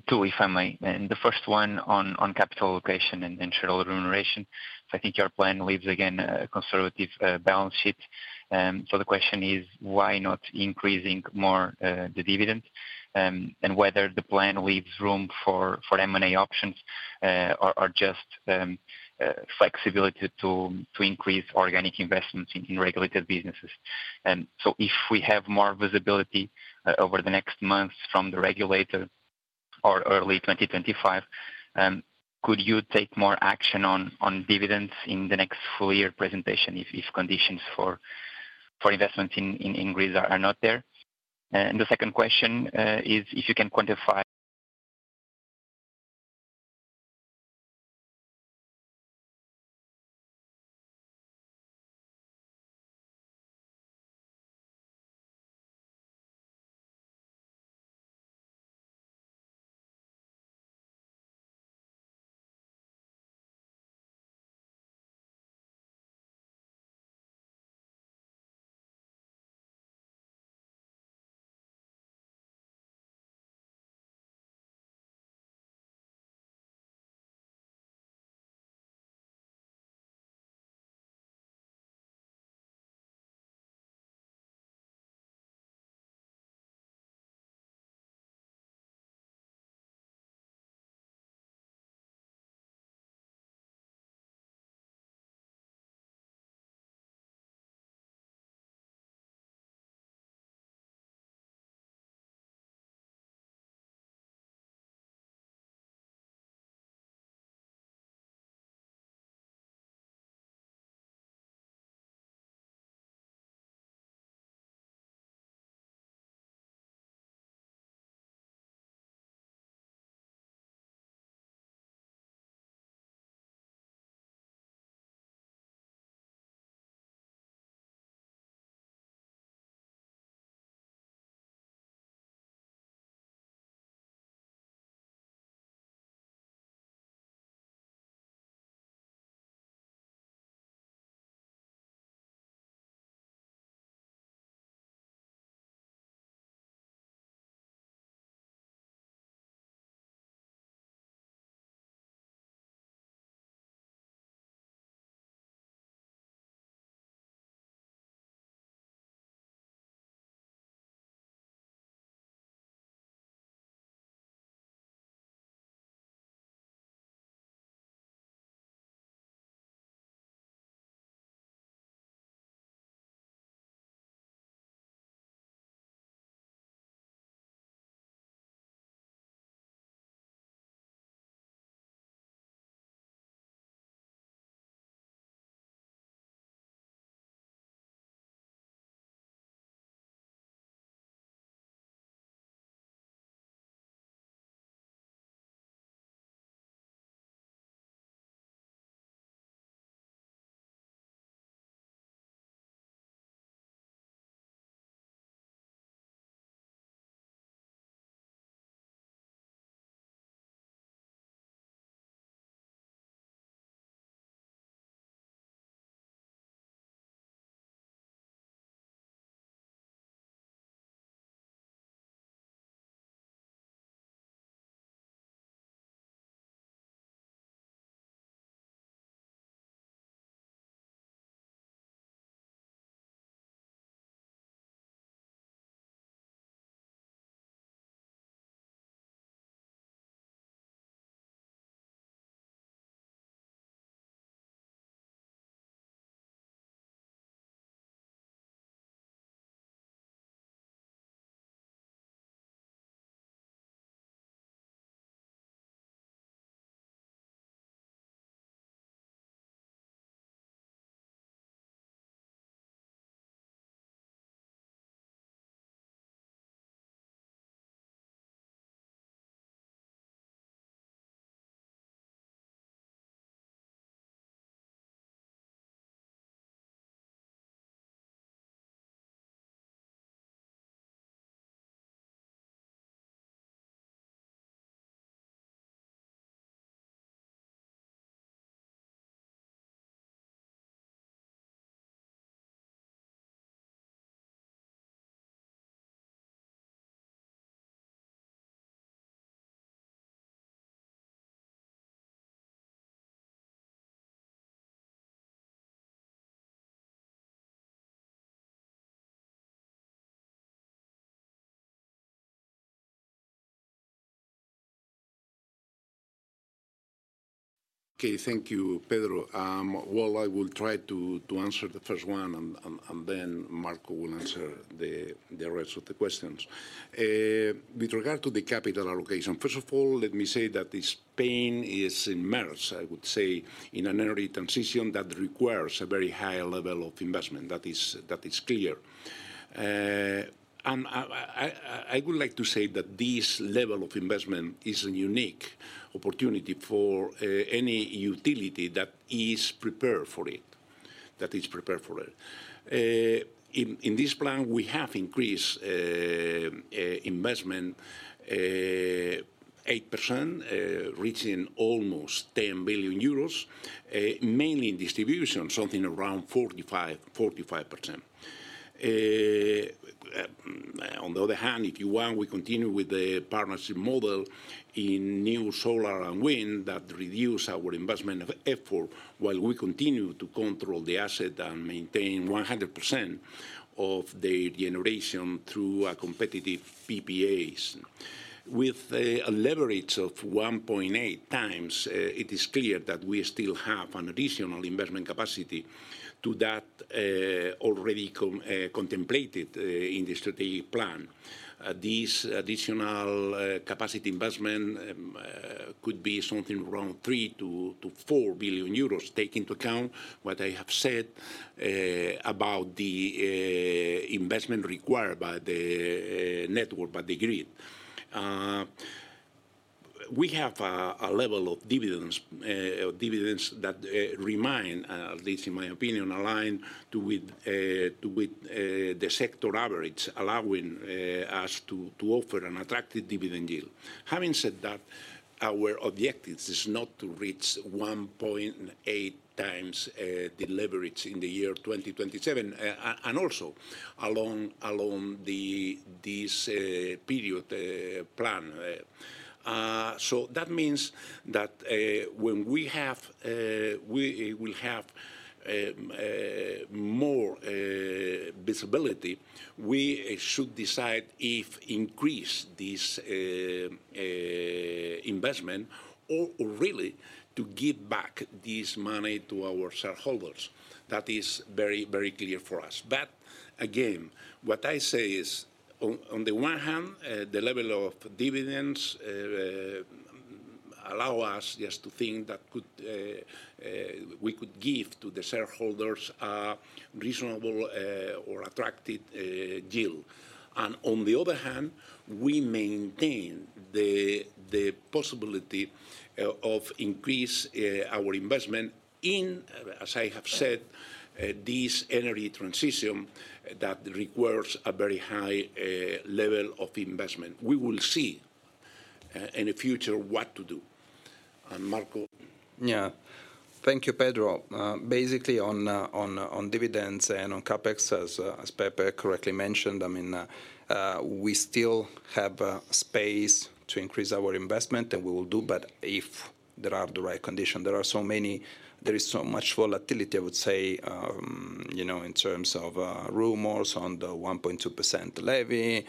Two, if I may. The first one on capital allocation and shareholder remuneration. I think your plan leaves again a conservative balance sheet. So the question is, why not increasing more the dividend and whether the plan leaves room for M&A options or just flexibility to increase organic investments in regulated businesses? So if we have more visibility over the next months from the regulator or early 2025, could you take more action on dividends in the next full year presentation if conditions for investments in grids are not there? And the second question is, if you can quantify- Okay, thank you, Pedro. I will try to answer the first one, and then Marco will answer the rest of the questions. With regard to the capital allocation, first of all, let me say that Spain is immersed, I would say, in an energy transition that requires a very high level of investment. That is clear. I would like to say that this level of investment is a unique opportunity for any utility that is prepared for it, that is prepared for it. In this plan, we have increased investment 8%, reaching almost 10 billion euros, mainly in distribution, something around 45%. On the other hand, if you want, we continue with the partnership model in new solar and wind that reduces our investment effort while we continue to control the asset and maintain 100% of the generation through competitive PPAs. With a leverage of 1.8 times, it is clear that we still have an additional investment capacity to that already contemplated in the strategic plan. This additional capacity investment could be something around 3-4 billion euros, taking into account what I have said about the investment required by the network, by the grid. We have a level of dividends that remain, at least in my opinion, aligned with the sector average, allowing us to offer an attractive dividend yield. Having said that, our objective is not to reach 1.8 times the leverage in the year 2027 and also along this period plan. So that means that when we will have more visibility, we should decide if we increase this investment or really to give back this money to our shareholders. That is very, very clear for us. But again, what I say is, on the one hand, the level of dividends allows us just to think that we could give to the shareholders a reasonable or attractive yield. And on the other hand, we maintain the possibility of increasing our investment in, as I have said, this energy transition that requires a very high level of investment. We will see in the future what to do. And Marco. Yeah. Thank you, Pedro. Basically, on dividends and on CapEx, as Pepe correctly mentioned, I mean, we still have space to increase our investment, and we will do, but if there are the right conditions. There are so many. There is so much volatility, I would say, in terms of rumors on the 1.2% Levy,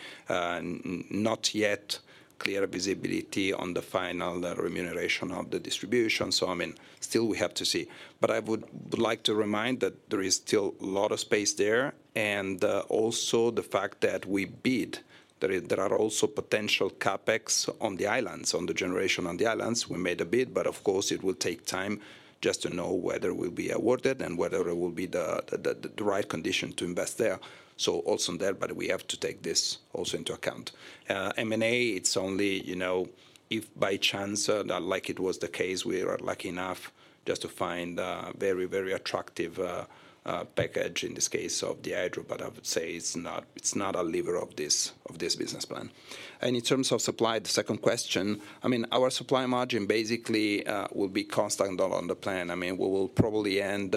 not yet clear visibility on the final remuneration of the distribution. So, I mean, still we have to see. But I would like to remind that there is still a lot of space there. And also the fact that we bid that there are also potential CapEx on the islands, on the generation on the islands. We made a bid, but of course, it will take time just to know whether we'll be awarded and whether it will be the right condition to invest there. So also there, but we have to take this also into account. M&A, it's only if by chance, like it was the case, we are lucky enough just to find a very, very attractive package in this case of the hydro, but I would say it's not a lever of this business plan. And in terms of supply, the second question, I mean, our supply margin basically will be constant on the plan. I mean, we will probably end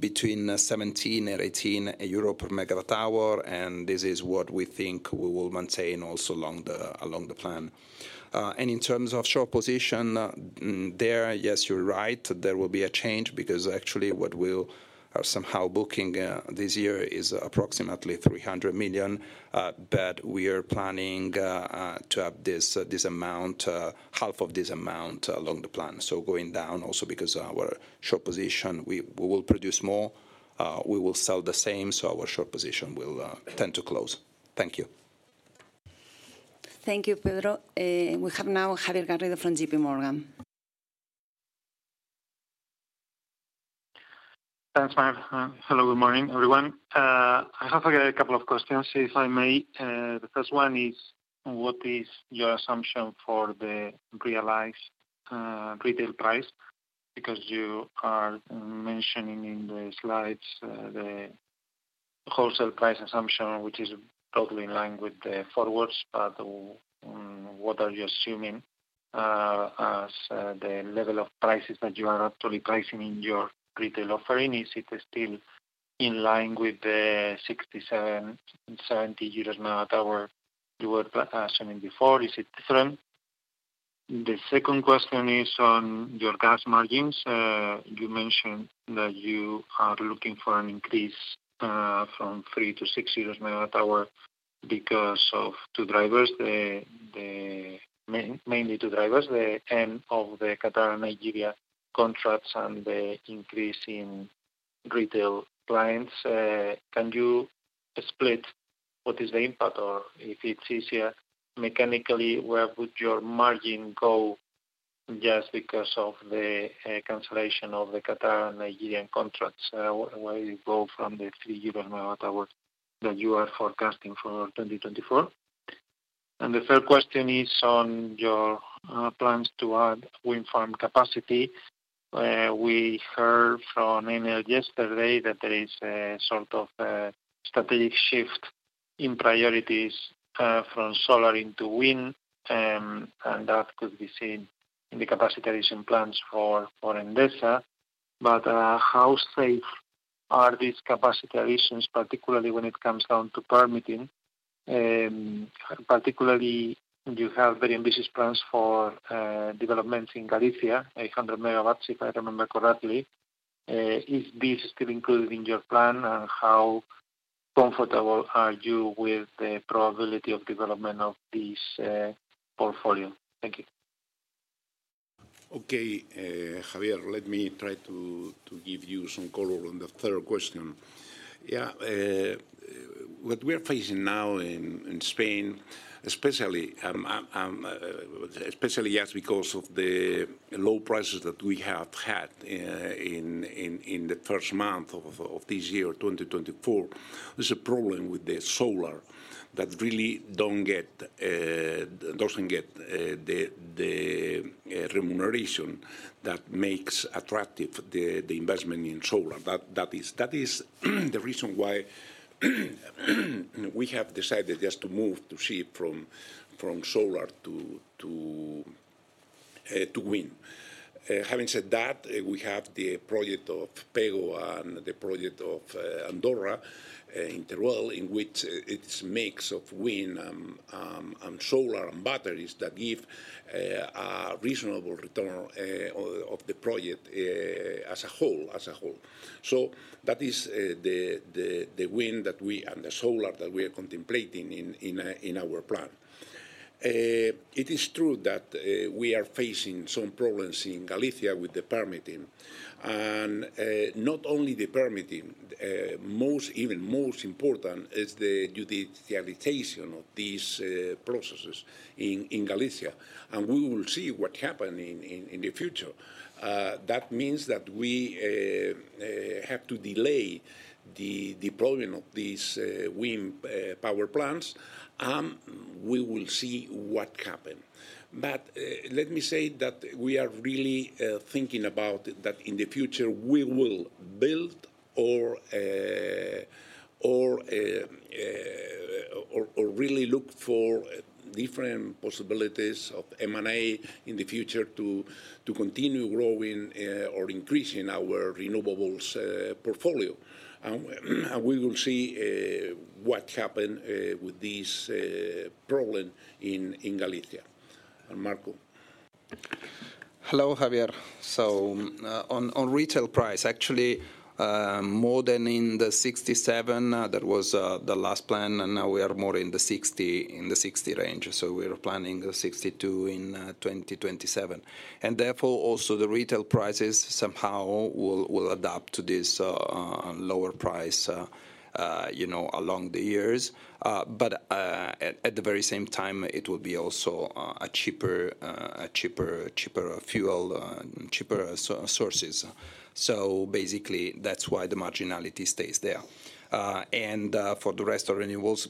between 17 and 18 euro per megawatt hour, and this is what we think we will maintain also along the plan. And in terms of short position there, yes, you're right, there will be a change because actually what we are somehow booking this year is approximately 300 million EUR, but we are planning to have this amount, half of this amount along the plan. So going down also because of our short position, we will produce more, we will sell the same, so our short position will tend to close. Thank you. Thank you, Pedro. We have now Javier Garrido from JP Morgan. Thanks, Mar. Hello, good morning, everyone. I have a couple of questions, if I may. The first one is, what is your assumption for the realized retail price? Because you are mentioning in the slides the wholesale price assumption, which is totally in line with the forwards, but what are you assuming as the level of prices that you are actually pricing in your retail offering? Is it still in line with the 67-70 EUR/MWh lower assuming before? Is it different? The second question is on your gas margins. You mentioned that you are looking for an increase from 3-6 EUR/MWh because of two drivers, mainly two drivers, the end of the Qatar-Nigeria contracts and the increase in retail clients. Can you split what is the impact or if it's easier mechanically, where would your margin go just because of the cancellation of the Qatar-Nigeria contracts? Where do you go from the 3 EUR/MWh that you are forecasting for 2024? And the third question is on your plans to add wind farm capacity. We heard from Enel yesterday that there is a sort of strategic shift in priorities from solar into wind, and that could be seen in the capacity addition plans for Endesa. But how safe are these capacity additions, particularly when it comes down to permitting? Particularly, you have very ambitious plans for developments in Galicia, 800 megawatts, if I remember correctly. Is this still included in your plan, and how comfortable are you with the probability of development of this portfolio? Thank you. Okay, Javier, let me try to give you some color on the third question. Yeah, what we are facing now in Spain, especially just because of the low prices that we have had in the first month of this year, 2024, there's a problem with the solar that really doesn't get the remuneration that makes attractive the investment in solar. That is the reason why we have decided just to move to shift from solar to wind. Having said that, we have the project of Pego and the project of Andorra in Teruel, in which it's a mix of wind and solar and batteries that give a reasonable return of the project as a whole. So that is the wind and the solar that we are contemplating in our plan. It is true that we are facing some problems in Galicia with the permitting, and not only the permitting, even most important is the judicialization of these processes in Galicia. And we will see what happens in the future. That means that we have to delay the deployment of these wind power plants, and we will see what happens. But let me say that we are really thinking about that in the future, we will build or really look for different possibilities of M&A in the future to continue growing or increasing our renewables portfolio. And we will see what happens with this problem in Galicia. Marco. Hello, Javier. So on retail price, actually, more than in the 67, that was the last plan, and now we are more in the 60 range. So we are planning 62 in 2027. And therefore, also the retail prices somehow will adapt to this lower price along the years. But at the very same time, it will be also a cheaper fuel, cheaper sources. So basically, that's why the marginality stays there. For the rest of renewables,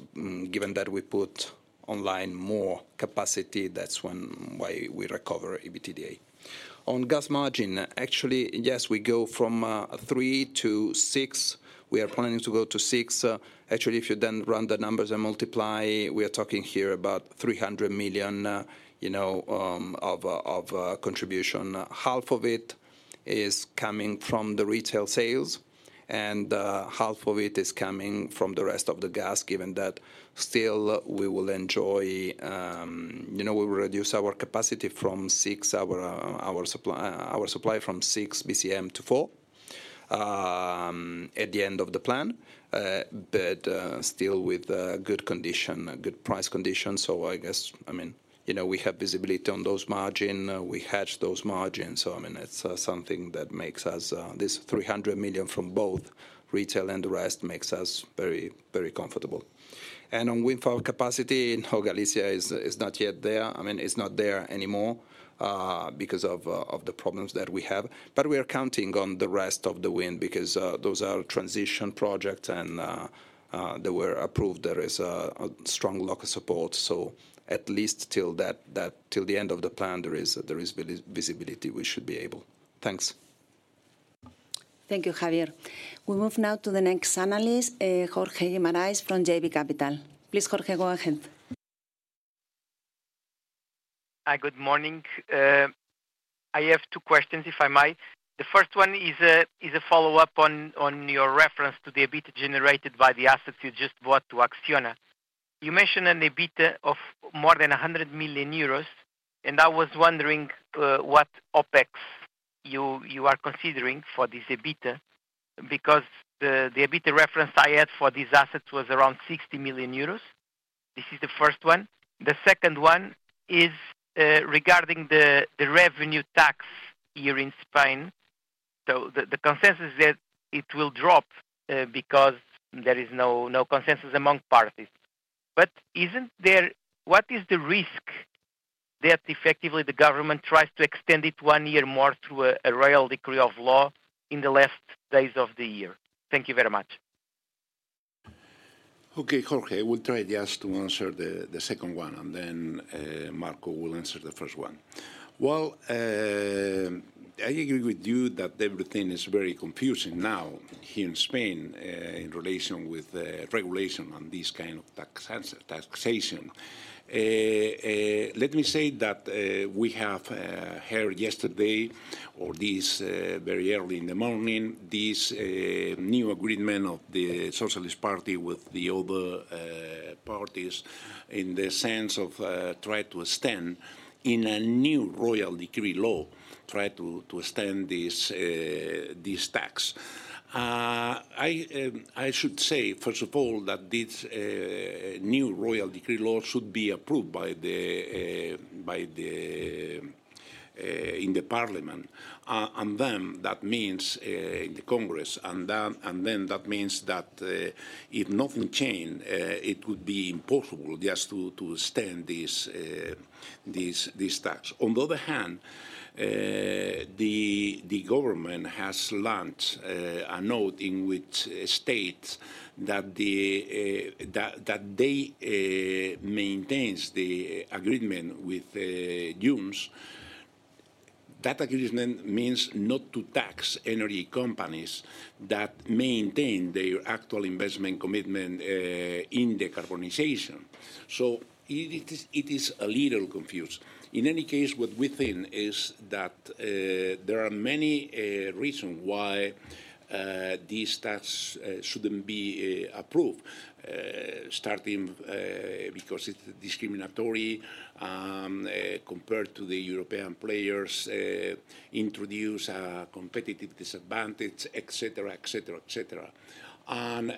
given that we put online more capacity, that's why we recover EBITDA. On gas margin, actually, yes, we go from three to six. We are planning to go to six. Actually, if you then run the numbers and multiply, we are talking here about 300 million of contribution. Half of it is coming from the retail sales, and half of it is coming from the rest of the gas, given that still we will enjoy. We will reduce our capacity from six, our supply from six BCM to four at the end of the plan, but still with good condition, good price conditions. I guess, I mean, we have visibility on those margins. We hedge those margins. I mean, it's something that makes us this 300 million from both retail and the rest makes us very, very comfortable. And on wind farm capacity, no, Galicia is not yet there. I mean, it's not there anymore because of the problems that we have. But we are counting on the rest of the wind because those are transition projects and they were approved. There is a strong local support. So at least till the end of the plan, there is visibility we should be able. Thanks. Thank you, Javier. We move now to the next analyst, Jorge Guimarães from JB Capital. Please, Jorge, go ahead. Hi, good morning. I have two questions, if I may. The first one is a follow-up on your reference to the EBIT generated by the assets you just bought to Acciona. You mentioned an EBITDA of more than 100 million euros, and I was wondering what OpEx you are considering for this EBITDA because the EBITDA reference I had for these assets was around 60 million euros. This is the first one. The second one is regarding the revenue tax here in Spain. So the consensus is that it will drop because there is no consensus among parties. But isn't there? What is the risk that effectively the government tries to extend it one year more through a Royal Decree-Law in the last days of the year? Thank you very much. Okay, Jorge, I will try just to answer the second one, and then Marco will answer the first one. Well, I agree with you that everything is very confusing now here in Spain in relation with regulation on this kind of taxation. Let me say that we have heard yesterday or this very early in the morning, this new agreement of the Socialist Party with the other parties in the sense of try to extend in a new royal decree law, try to extend this tax. I should say, first of all, that this new royal decree law should be approved in the Parliament, and then that means in the Congress, and then that means that if nothing changed, it would be impossible just to extend this tax. On the other hand, the government has launched a note in which states that they maintain the agreement with Junts. That agreement means not to tax energy companies that maintain their actual investment commitment in decarbonization. So it is a little confused. In any case, what we think is that there are many reasons why these taxes shouldn't be approved, starting because it's discriminatory compared to the European players, introduce a competitive disadvantage, etc., etc., etc., and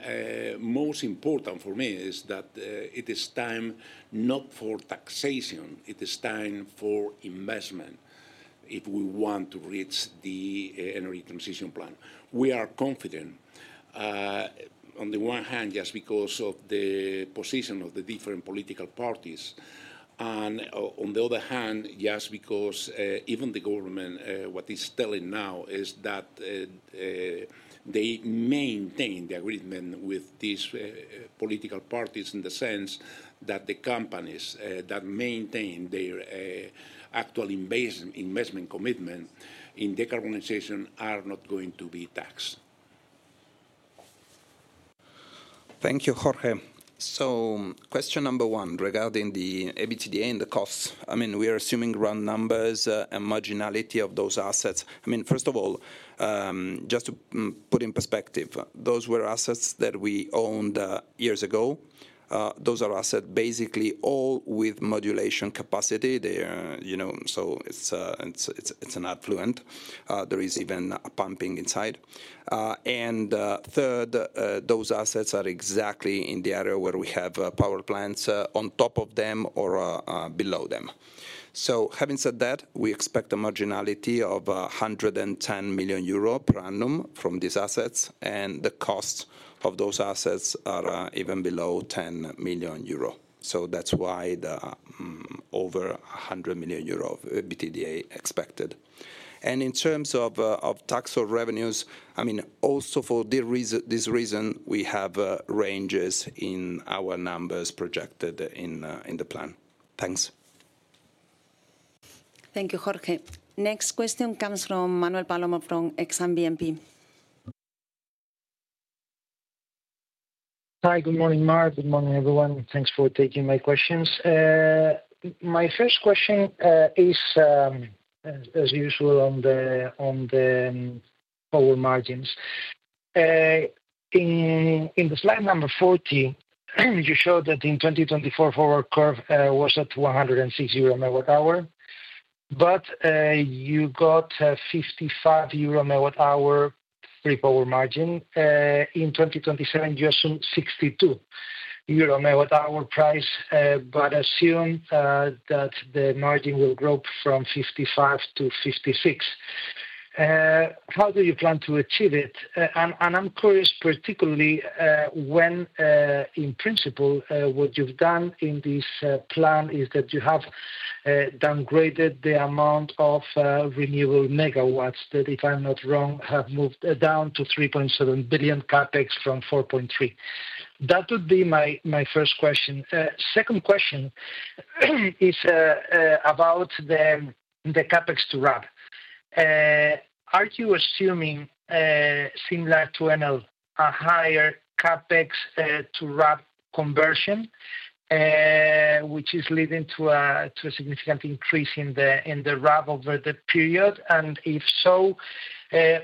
most important for me is that it is time not for taxation, it is time for investment if we want to reach the energy transition plan. We are confident on the one hand just because of the position of the different political parties, and on the other hand, just because even the government, what is telling now is that they maintain the agreement with these political parties in the sense that the companies that maintain their actual investment commitment in decarbonization are not going to be taxed. Thank you, Jorge, so question number one regarding the EBITDA and the costs. I mean, we are assuming round numbers and marginality of those assets. I mean, first of all, just to put in perspective, those were assets that we owned years ago. Those are assets basically all with modulation capacity, so it's an affluent. There is even a pumping inside. Third, those assets are exactly in the area where we have power plants on top of them or below them. Having said that, we expect a marginality of 110 million euro per annum from these assets, and the costs of those assets are even below 10 million euro. That's why the over 100 million euro EBITDA expected. In terms of tax or revenues, I mean, also for this reason, we have ranges in our numbers projected in the plan. Thanks. Thank you, Jorge. Next question comes from Manuel Palomo from Exane BNP. Hi, good morning, Mar. Good morning, everyone. Thanks for taking my questions. My first question is, as usual, on the power margins. In the slide number 40, you showed that in 2024, forward curve was at 106 euro per MWh, but you got a 55 euro per MWh free power margin. In 2027, you assume 62 euro per MWh price, but assume that the margin will grow from 55 to 56. How do you plan to achieve it? And I'm curious particularly when, in principle, what you've done in this plan is that you have downgraded the amount of renewable megawatts that, if I'm not wrong, have moved down to 3.7 billion CapEx from 4.3. That would be my first question. Second question is about the CapEx to RAB. Are you assuming, similar to Enel, a higher CapEx to RAB conversion, which is leading to a significant increase in the RAB over the period? And if so,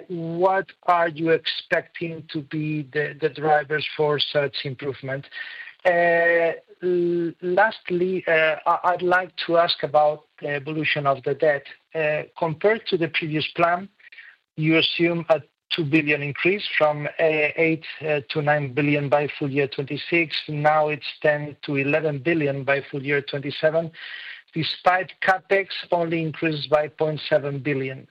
what are you expecting to be the drivers for such improvement? Lastly, I'd like to ask about the evolution of the debt. Compared to the previous plan, you assume a 2 billion increase from 8 billion to 9 billion by full year 2026. Now it's 10 billion to 11 billion by full year 2027, despite CapEx only increased by 0.7 billion.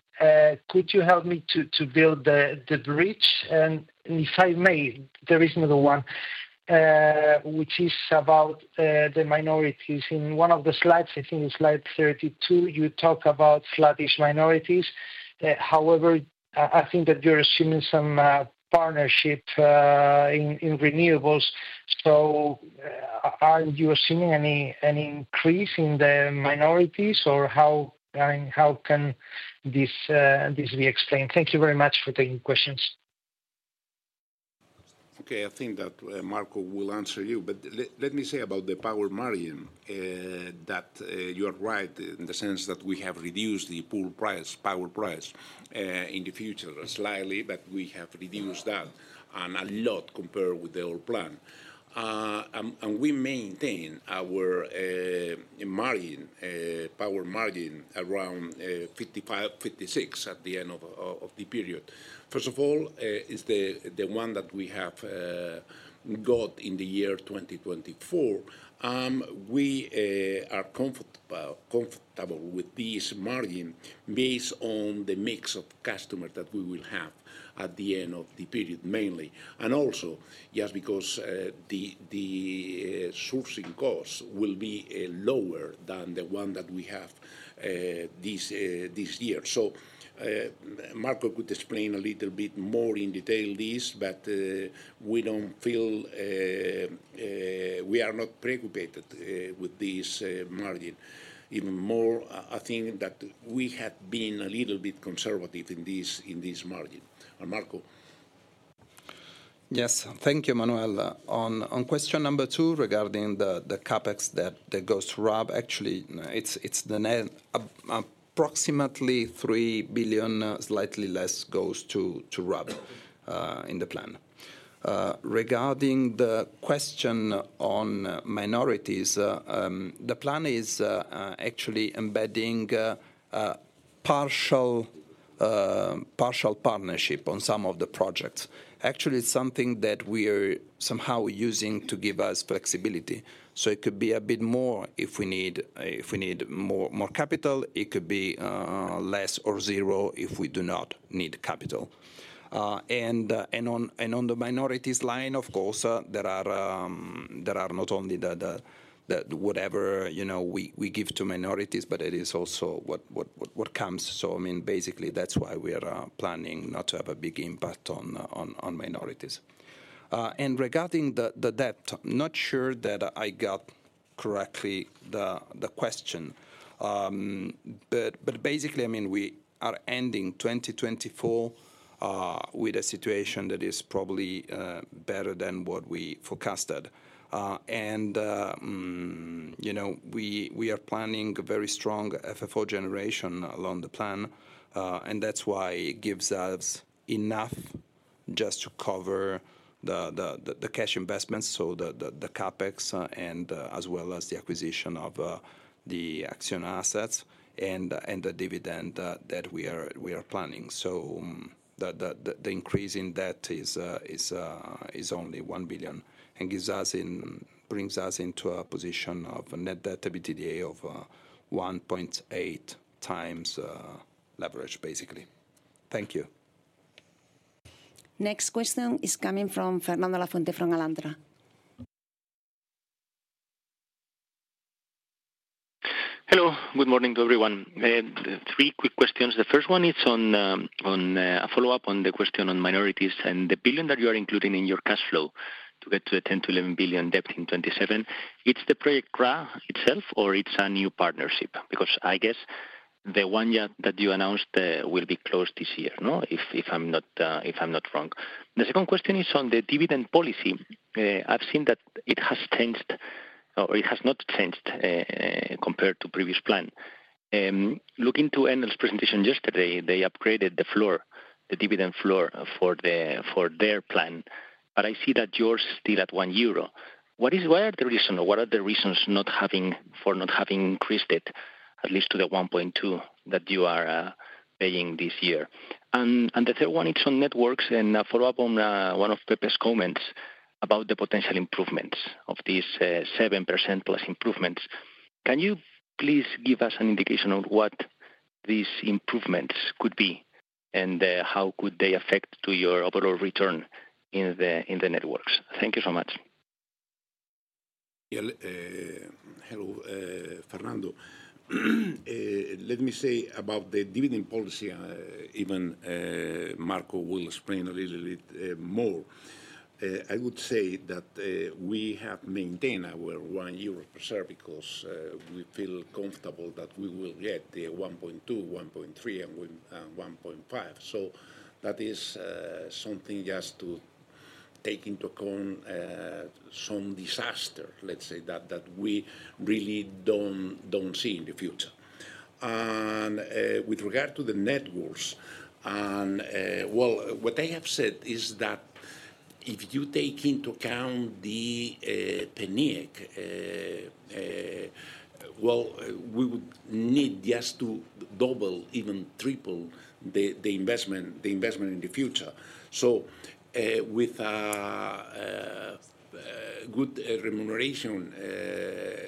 Could you help me to build the bridge? And if I may, there is another one, which is about the minorities. In one of the slides, I think it's slide 32, you talk about Spanish minorities. However, I think that you're assuming some partnership in renewables. So are you assuming any increase in the minorities, or how can this be explained? Thank you very much for taking questions. Okay, I think that Marco will answer you. But let me say about the power margin that you are right in the sense that we have reduced the power price in the future slightly, but we have reduced that a lot compared with the old plan. And we maintain our margin, power margin around 55-56 at the end of the period. First of all, it's the one that we have got in the year 2024. We are comfortable with this margin based on the mix of customers that we will have at the end of the period, mainly. And also just because the sourcing costs will be lower than the one that we have this year. So Marco could explain a little bit more in detail this, but we don't feel we are not preoccupied with this margin. Even more, I think that we have been a little bit conservative in this margin. Marco. Yes, thank you, Manuel. On question number two regarding the CapEx that goes to RAB, actually, it's approximately 3 billion, slightly less goes to RAB in the plan. Regarding the question on minorities, the plan is actually embedding partial partnership on some of the projects. Actually, it's something that we are somehow using to give us flexibility. So it could be a bit more if we need more capital. It could be less or zero if we do not need capital. And on the minorities line, of course, there are not only whatever we give to minorities, but it is also what comes. So I mean, basically, that's why we are planning not to have a big impact on minorities. And regarding the debt, I'm not sure that I got correctly the question. But basically, I mean, we are ending 2024 with a situation that is probably better than what we forecasted. And we are planning a very strong FFO generation along the plan. And that's why it gives us enough just to cover the cash investments, so the CapEx, and as well as the acquisition of the Acciona assets and the dividend that we are planning. So the increase in debt is only 1 billion and brings us into a position of net debt to EBITDA of 1.8x leverage, basically. Thank you. Next question is coming from Fernando Lafuente from Alantra. Hello, good morning to everyone. Three quick questions. The first one is on a follow-up on the question on minorities and the billion that you are including in your cash flow to get to the 10 billion to 11 billion debt in 2027. It's the Project Ra itself, or it's a new partnership? Because I guess the one that you announced will be closed this year, if I'm not wrong. The second question is on the dividend policy. I've seen that it has changed, or it has not changed compared to previous plan. Looking to Enel's presentation yesterday, they upgraded the floor, the dividend floor for their plan. But I see that yours is still at 1 euro. What are the reasons, or what are the reasons for not having increased it, at least to the 1.2 that you are paying this year? And the third one, it's on networks and a follow-up on one of Pepe's comments about the potential improvements of these 7% plus improvements. Can you please give us an indication on what these improvements could be and how could they affect your overall return in the networks? Thank you so much. Hello, Fernando. Let me say about the dividend policy, even Marco will explain a little bit more. I would say that we have maintained our 1 per share because we feel comfortable that we will get the 1.2, 1.3, and 1.5. So that is something just to take into account some disaster, let's say, that we really don't see in the future. With regard to the networks, well, what I have said is that if you take into account the PNIEC, well, we would need just to double, even triple the investment in the future. So with a good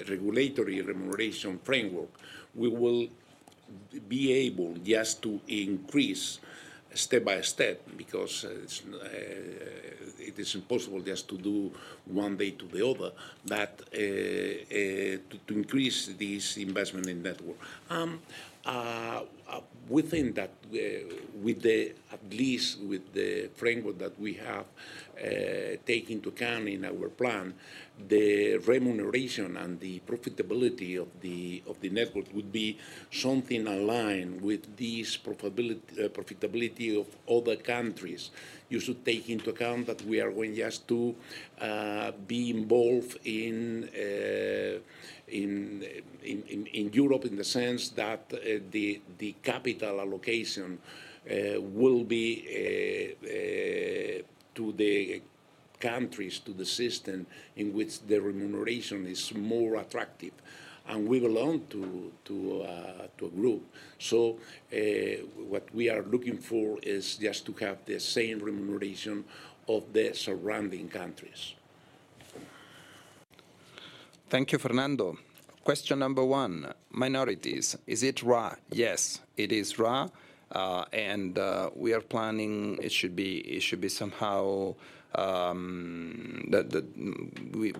regulatory remuneration framework, we will be able just to increase step by step because it is impossible just to do one day to the other to increase this investment in network. We think that at least with the framework that we have taken into account in our plan, the remuneration and the profitability of the network would be something aligned with this profitability of other countries. You should take into account that we are going just to be involved in Europe in the sense that the capital allocation will be to the countries, to the system in which the remuneration is more attractive. And we belong to a group. So what we are looking for is just to have the same remuneration of the surrounding countries. Thank you, Fernando. Question number one, minorities. Is it RA? Yes, it is RA. And we are planning it should be somehow that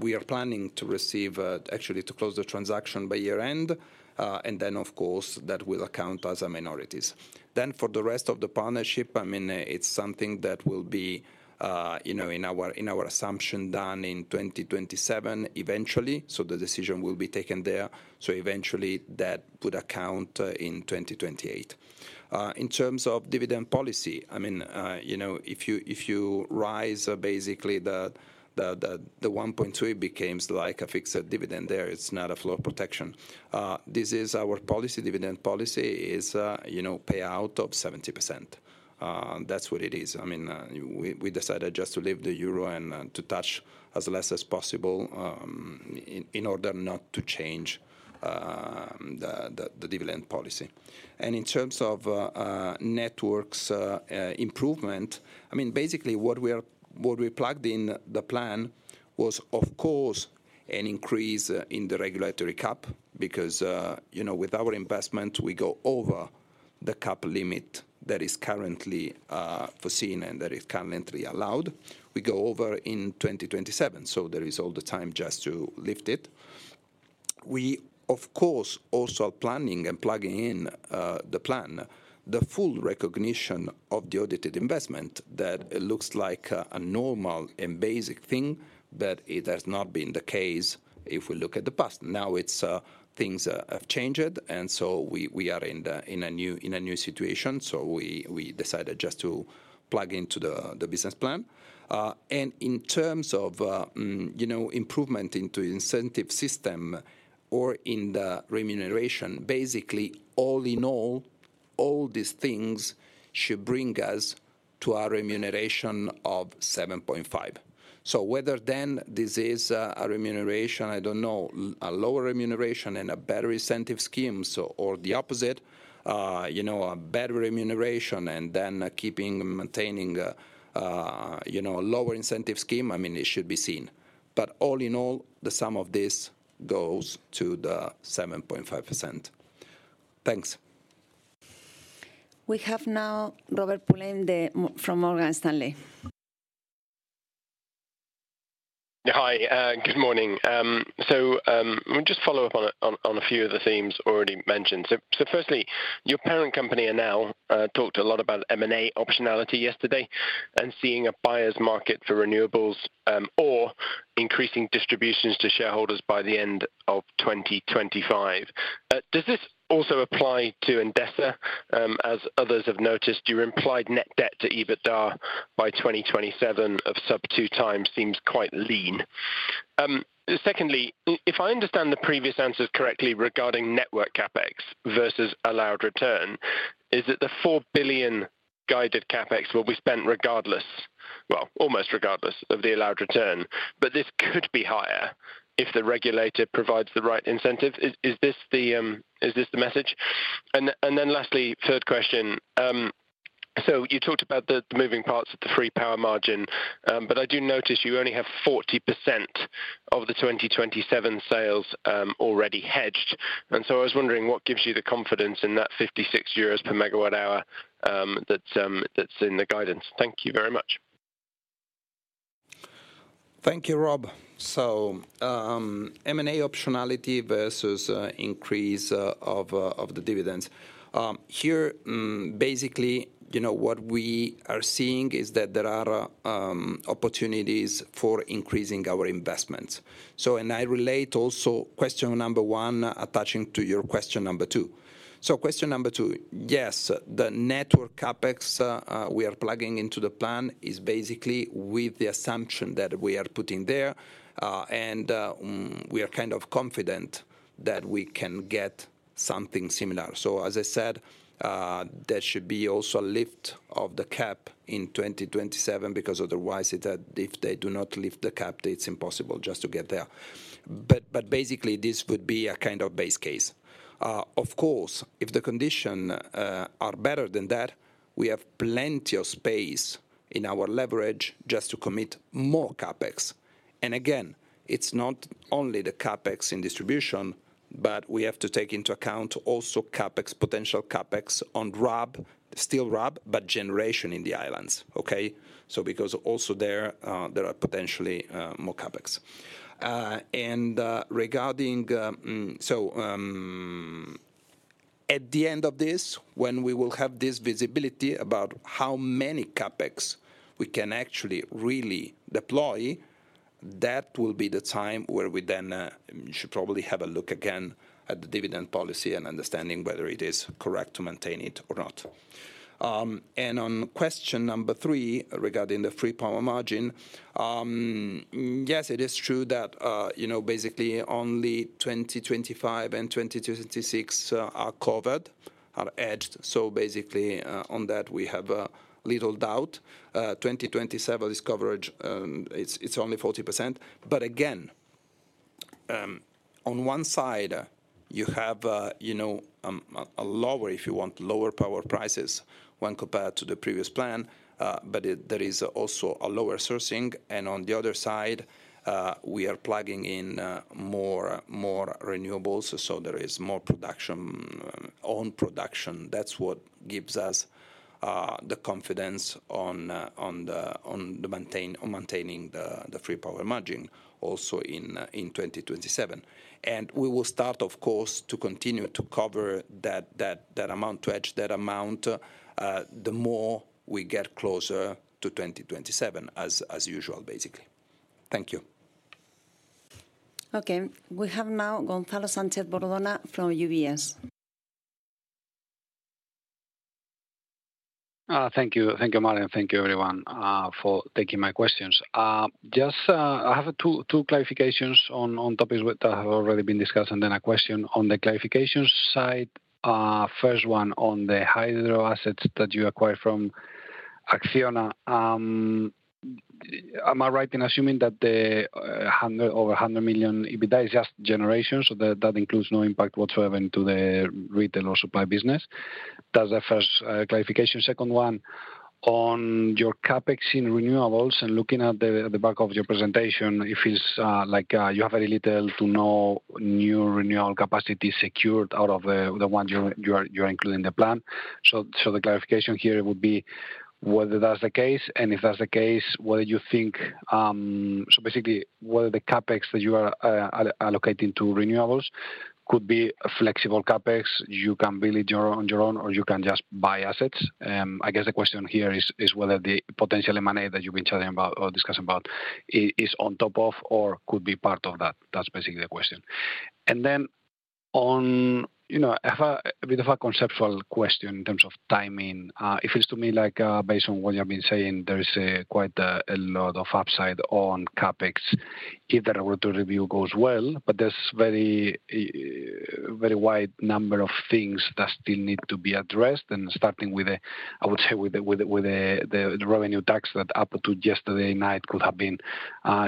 we are planning to receive actually to close the transaction by year-end. And then, of course, that will account as minorities. Then for the rest of the partnership, I mean, it's something that will be in our assumption done in 2027 eventually. So the decision will be taken there. So eventually, that would account in 2028. In terms of dividend policy, I mean, if you rise basically the 1.3 becomes like a fixed dividend there, it's not a floor protection. This is our policy. Dividend policy is payout of 70%. That's what it is. I mean, we decided just to leave the euro and to touch as less as possible in order not to change the dividend policy. And in terms of networks improvement, I mean, basically, what we plugged in the plan was, of course, an increase in the regulatory cap because with our investment, we go over the cap limit that is currently foreseen and that is currently allowed. We go over in 2027, so there is all the time just to lift it. We, of course, also are planning and plugging in the plan the full recognition of the audited investment. That looks like a normal and basic thing, but it has not been the case if we look at the past. Now things have changed, and so we are in a new situation. So we decided just to plug into the business plan. And in terms of improvement into incentive system or in the remuneration, basically, all in all, all these things should bring us to our remuneration of 7.5. So whether then this is a remuneration, I don't know, a lower remuneration and a better incentive scheme, or the opposite, a better remuneration, and then maintaining a lower incentive scheme, I mean, it should be seen. But all in all, the sum of this goes to the 7.5%. Thanks. We have now Robert Pulleyn from Morgan Stanley. Hi, good morning. So let me just follow up on a few of the themes already mentioned. So firstly, your parent company Enel talked a lot about M&A optionality yesterday and seeing a buyer's market for renewables or increasing distributions to shareholders by the end of 2025. Does this also apply to Endesa? As others have noticed, your implied net debt to EBITDA by 2027 of sub two times seems quite lean. Secondly, if I understand the previous answers correctly regarding network CapEx versus allowed return, is it the 4 billion guided CapEx will be spent regardless, well, almost regardless of the allowed return? But this could be higher if the regulator provides the right incentive. Is this the message? And then lastly, third question. You talked about the moving parts of the free power margin, but I do notice you only have 40% of the 2027 sales already hedged. And so I was wondering what gives you the confidence in that 56 euros per megawatt hour that's in the guidance. Thank you very much. Thank you, Rob. M&A optionality versus increase of the dividends. Here, basically, what we are seeing is that there are opportunities for increasing our investments. And I relate also question number one attaching to your question number two. Question number two, yes, the network CapEx we are plugging into the plan is basically with the assumption that we are putting there, and we are kind of confident that we can get something similar. So as I said, there should be also a lift of the cap in 2027 because otherwise, if they do not lift the cap, it's impossible just to get there. But basically, this would be a kind of base case. Of course, if the conditions are better than that, we have plenty of space in our leverage just to commit more CapEx. And again, it's not only the CapEx in distribution, but we have to take into account also potential CapEx on RAB, but generation in the islands, okay? So because also there, there are potentially more CapEx. Regarding so at the end of this, when we will have this visibility about how many CapEx we can actually really deploy, that will be the time where we then should probably have a look again at the dividend policy and understanding whether it is correct to maintain it or not. On question number three regarding the free power margin, yes, it is true that basically only 2025 and 2026 are covered, are hedged. Basically, on that, we have a little doubt. 2027, this coverage, it's only 40%. Again, on one side, you have a lower, if you want, lower power prices when compared to the previous plan, but there is also a lower sourcing. On the other side, we are plugging in more renewables, so there is more own production. That's what gives us the confidence on maintaining the free power margin also in 2027. And we will start, of course, to continue to cover that amount, to hedge that amount the more we get closer to 2027, as usual, basically. Thank you. Okay. We have now Gonzalo Sánchez-Bordona from UBS. Thank you, Mar. Thank you, everyone, for taking my questions. Just I have two clarifications on topics that have already been discussed and then a question on the capex side. First one on the hydro assets that you acquired from Acciona. Am I right in assuming that the over €100 million EBITDA is just generation, so that includes no impact whatsoever into the retail or supply business? That's the first clarification. Second one, on your CapEx in renewables, and looking at the back of your presentation, it feels like you have very little to no new renewable capacity secured out of the one you are including in the plan. So the clarification here would be whether that's the case, and if that's the case, whether you think so basically, whether the CapEx that you are allocating to renewables could be flexible CapEx. You can build it on your own, or you can just buy assets. I guess the question here is whether the potential M&A that you've been chatting about or discussing about is on top of or could be part of that. That's basically the question. And then I have a bit of a conceptual question in terms of timing. It feels to me like based on what you've been saying, there is quite a lot of upside on CapEx if the regulatory review goes well, but there's a very wide number of things that still need to be addressed. And starting with, I would say, with the revenue tax that up to yesterday night could have been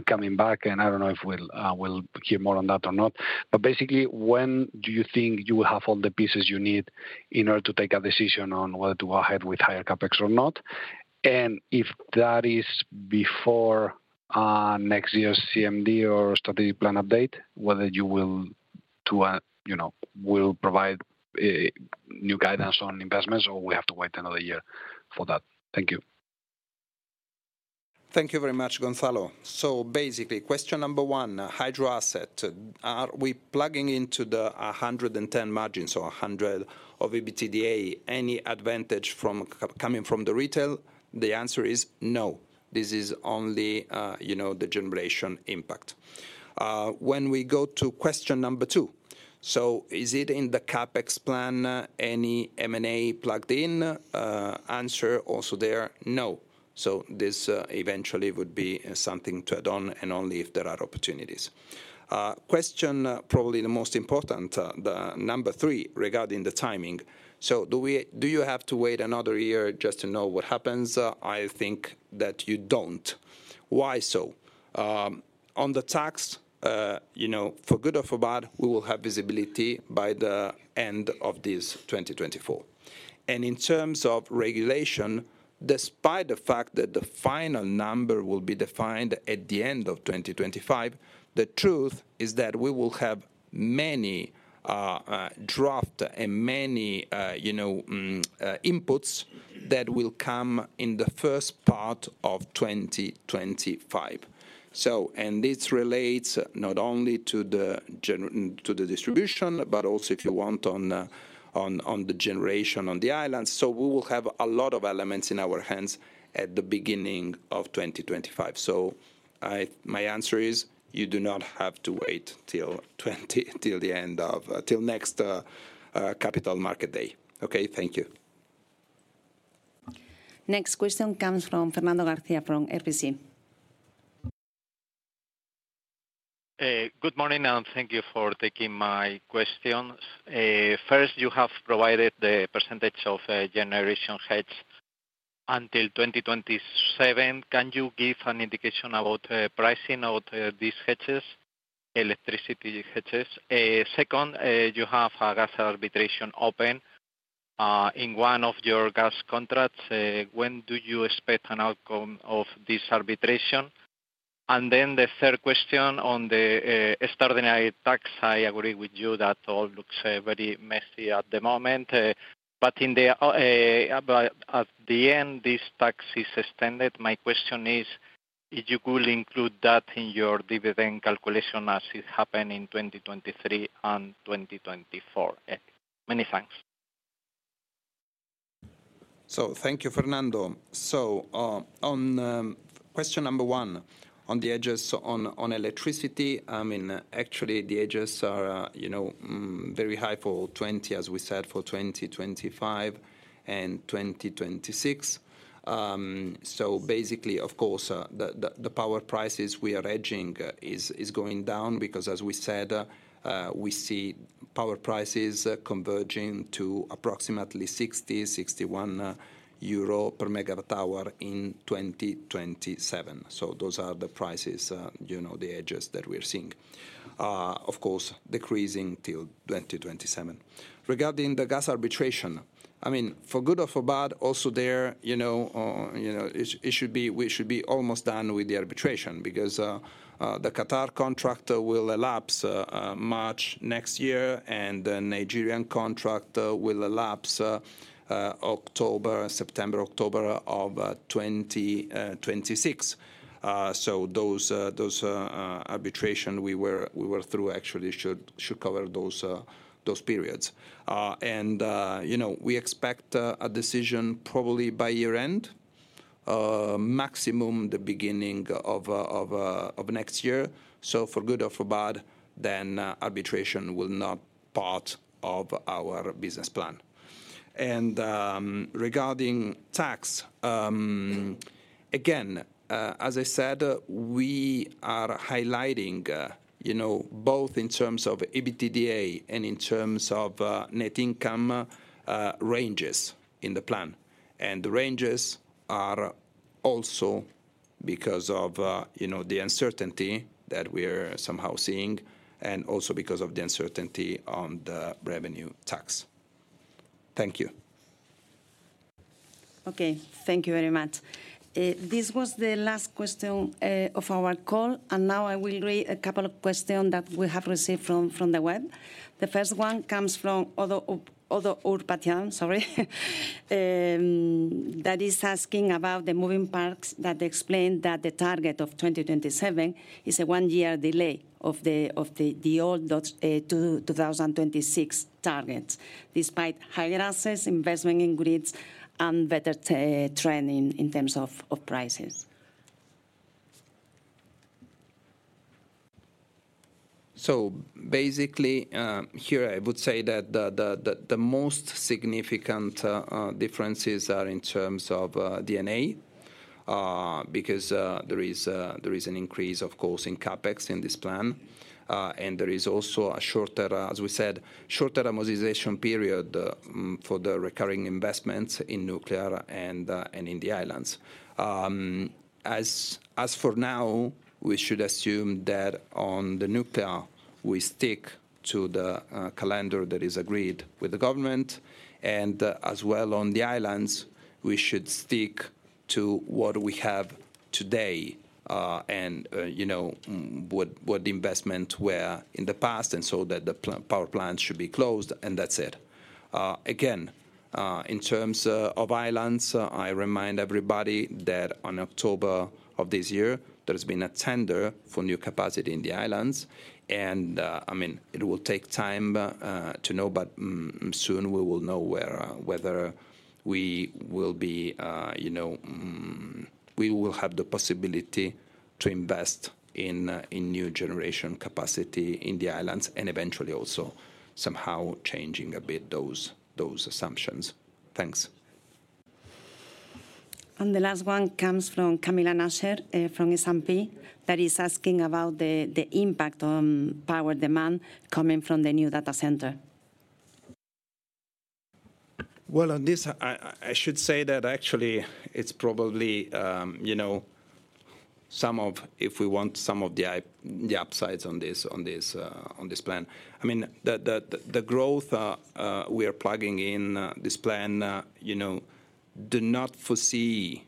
coming back. And I don't know if we'll hear more on that or not. But basically, when do you think you will have all the pieces you need in order to take a decision on whether to go ahead with higher CapEx or not? And if that is before next year's CMD or strategic plan update, whether you will provide new guidance on investments or we have to wait another year for that. Thank you. Thank you very much, Gonzalo. So basically, question number one: hydro asset, are we plugging into the 110 margins or 100 of EBITDA any advantage coming from the retail? The answer is no. This is only the generation impact. When we go to question number two: so is it in the capex plan, any M&A plugged in? Answer also there, no. So this eventually would be something to add on and only if there are opportunities. Question, probably the most important, number three, regarding the timing: so do you have to wait another year just to know what happens? I think that you don't. Why so? On the tax, for good or for bad, we will have visibility by the end of this 2024. In terms of regulation, despite the fact that the final number will be defined at the end of 2025, the truth is that we will have many drafts and many inputs that will come in the first part of 2025. This relates not only to the distribution, but also, if you want, on the generation on the islands. We will have a lot of elements in our hands at the beginning of 2025. My answer is you do not have to wait till the end of till next capital market day. Okay, thank you. Next question comes from Fernando Garcia from RBC. Good morning, and thank you for taking my question. First, you have provided the percentage of generation hedge until 2027. Can you give an indication about pricing of these hedges, electricity hedges? Second, you have a gas arbitration open in one of your gas contracts. When do you expect an outcome of this arbitration? And then the third question on the extraordinary tax, I agree with you that all looks very messy at the moment. But at the end, this tax is extended. My question is, you will include that in your dividend calculation as it happened in 2023 and 2024? Many thanks. So thank you, Fernando. So on question number one, on the hedges on electricity, I mean, actually, the hedges are very high for 2024, as we said, for 2025 and 2026. So basically, of course, the power prices we are hedging is going down because, as we said, we see power prices converging to approximately 60-61 euro per megawatt-hour in 2027. So those are the prices, the hedges that we're seeing, of course, decreasing till 2027. Regarding the gas arbitration, I mean, for good or for bad, also there, we should be almost done with the arbitration because the Qatar contract will expire March next year, and the Nigerian contract will expire September, October of 2026. So those arbitrations we were through actually should cover those periods. And we expect a decision probably by year-end, maximum the beginning of next year. So for good or for bad, then arbitration will not be part of our business plan. And regarding tax, again, as I said, we are highlighting both in terms of EBITDA and in terms of net income ranges in the plan. And the ranges are also because of the uncertainty that we're somehow seeing and also because of the uncertainty on the revenue tax. Thank you. Okay, thank you very much. This was the last question of our call. And now I will read a couple of questions that we have received from the web. The first one comes from ODDO, Ourpatian, sorry, that is asking about the moving parts that explain that the target of 2027 is a one-year delay of the old 2026 targets despite higher assets, investment in grids, and better trending in terms of prices. So basically, here, I would say that the most significant differences are in terms of RAB because there is an increase, of course, in CapEx in this plan. And there is also a shorter, as we said, amortization period for the recurring investments in nuclear and in the islands. As for now, we should assume that on the nuclear, we stick to the calendar that is agreed with the government. And as well on the islands, we should stick to what we have today and what investments were in the past and so that the power plants should be closed, and that's it. Again, in terms of islands, I remind everybody that on October of this year, there has been a tender for new capacity in the islands. And I mean, it will take time to know, but soon we will know whether we will have the possibility to invest in new generation capacity in the islands and eventually also somehow changing a bit those assumptions. Thanks. And the last one comes from Camilla Naschert from S&P that is asking about the impact on power demand coming from the new data center. Well, on this, I should say that actually it's probably some of, if we want some of the upsides on this plan. I mean, the growth we are plugging in this plan do not foresee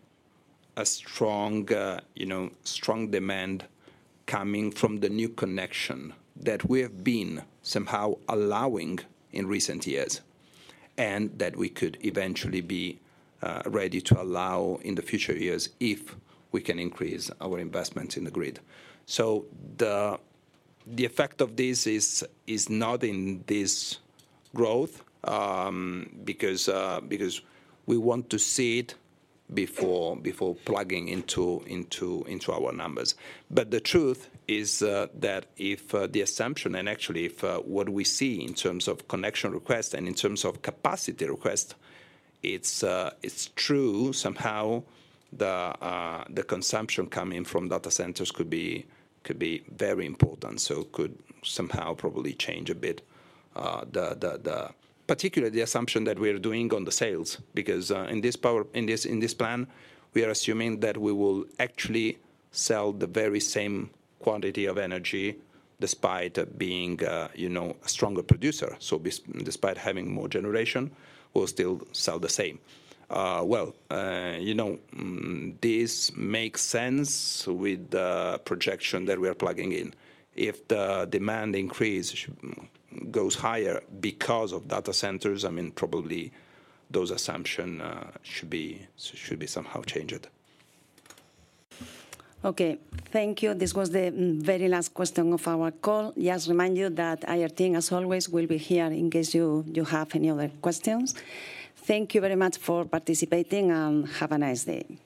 a strong demand coming from the new connection that we have been somehow allowing in recent years and that we could eventually be ready to allow in the future years if we can increase our investments in the grid. So the effect of this is not in this growth because we want to see it before plugging into our numbers. But the truth is that if the assumption, and actually if what we see in terms of connection request and in terms of capacity request, it's true, somehow the consumption coming from data centers could be very important. It could somehow probably change a bit, particularly the assumption that we are doing on the sales because in this plan, we are assuming that we will actually sell the very same quantity of energy despite being a stronger producer. So despite having more generation, we'll still sell the same. Well, this makes sense with the projection that we are plugging in. If the demand increase goes higher because of data centers, I mean, probably those assumptions should be somehow changed. Okay, thank you. This was the very last question of our call. Just remind you that IR team, as always, will be here in case you have any other questions. Thank you very much for participating and have a nice day.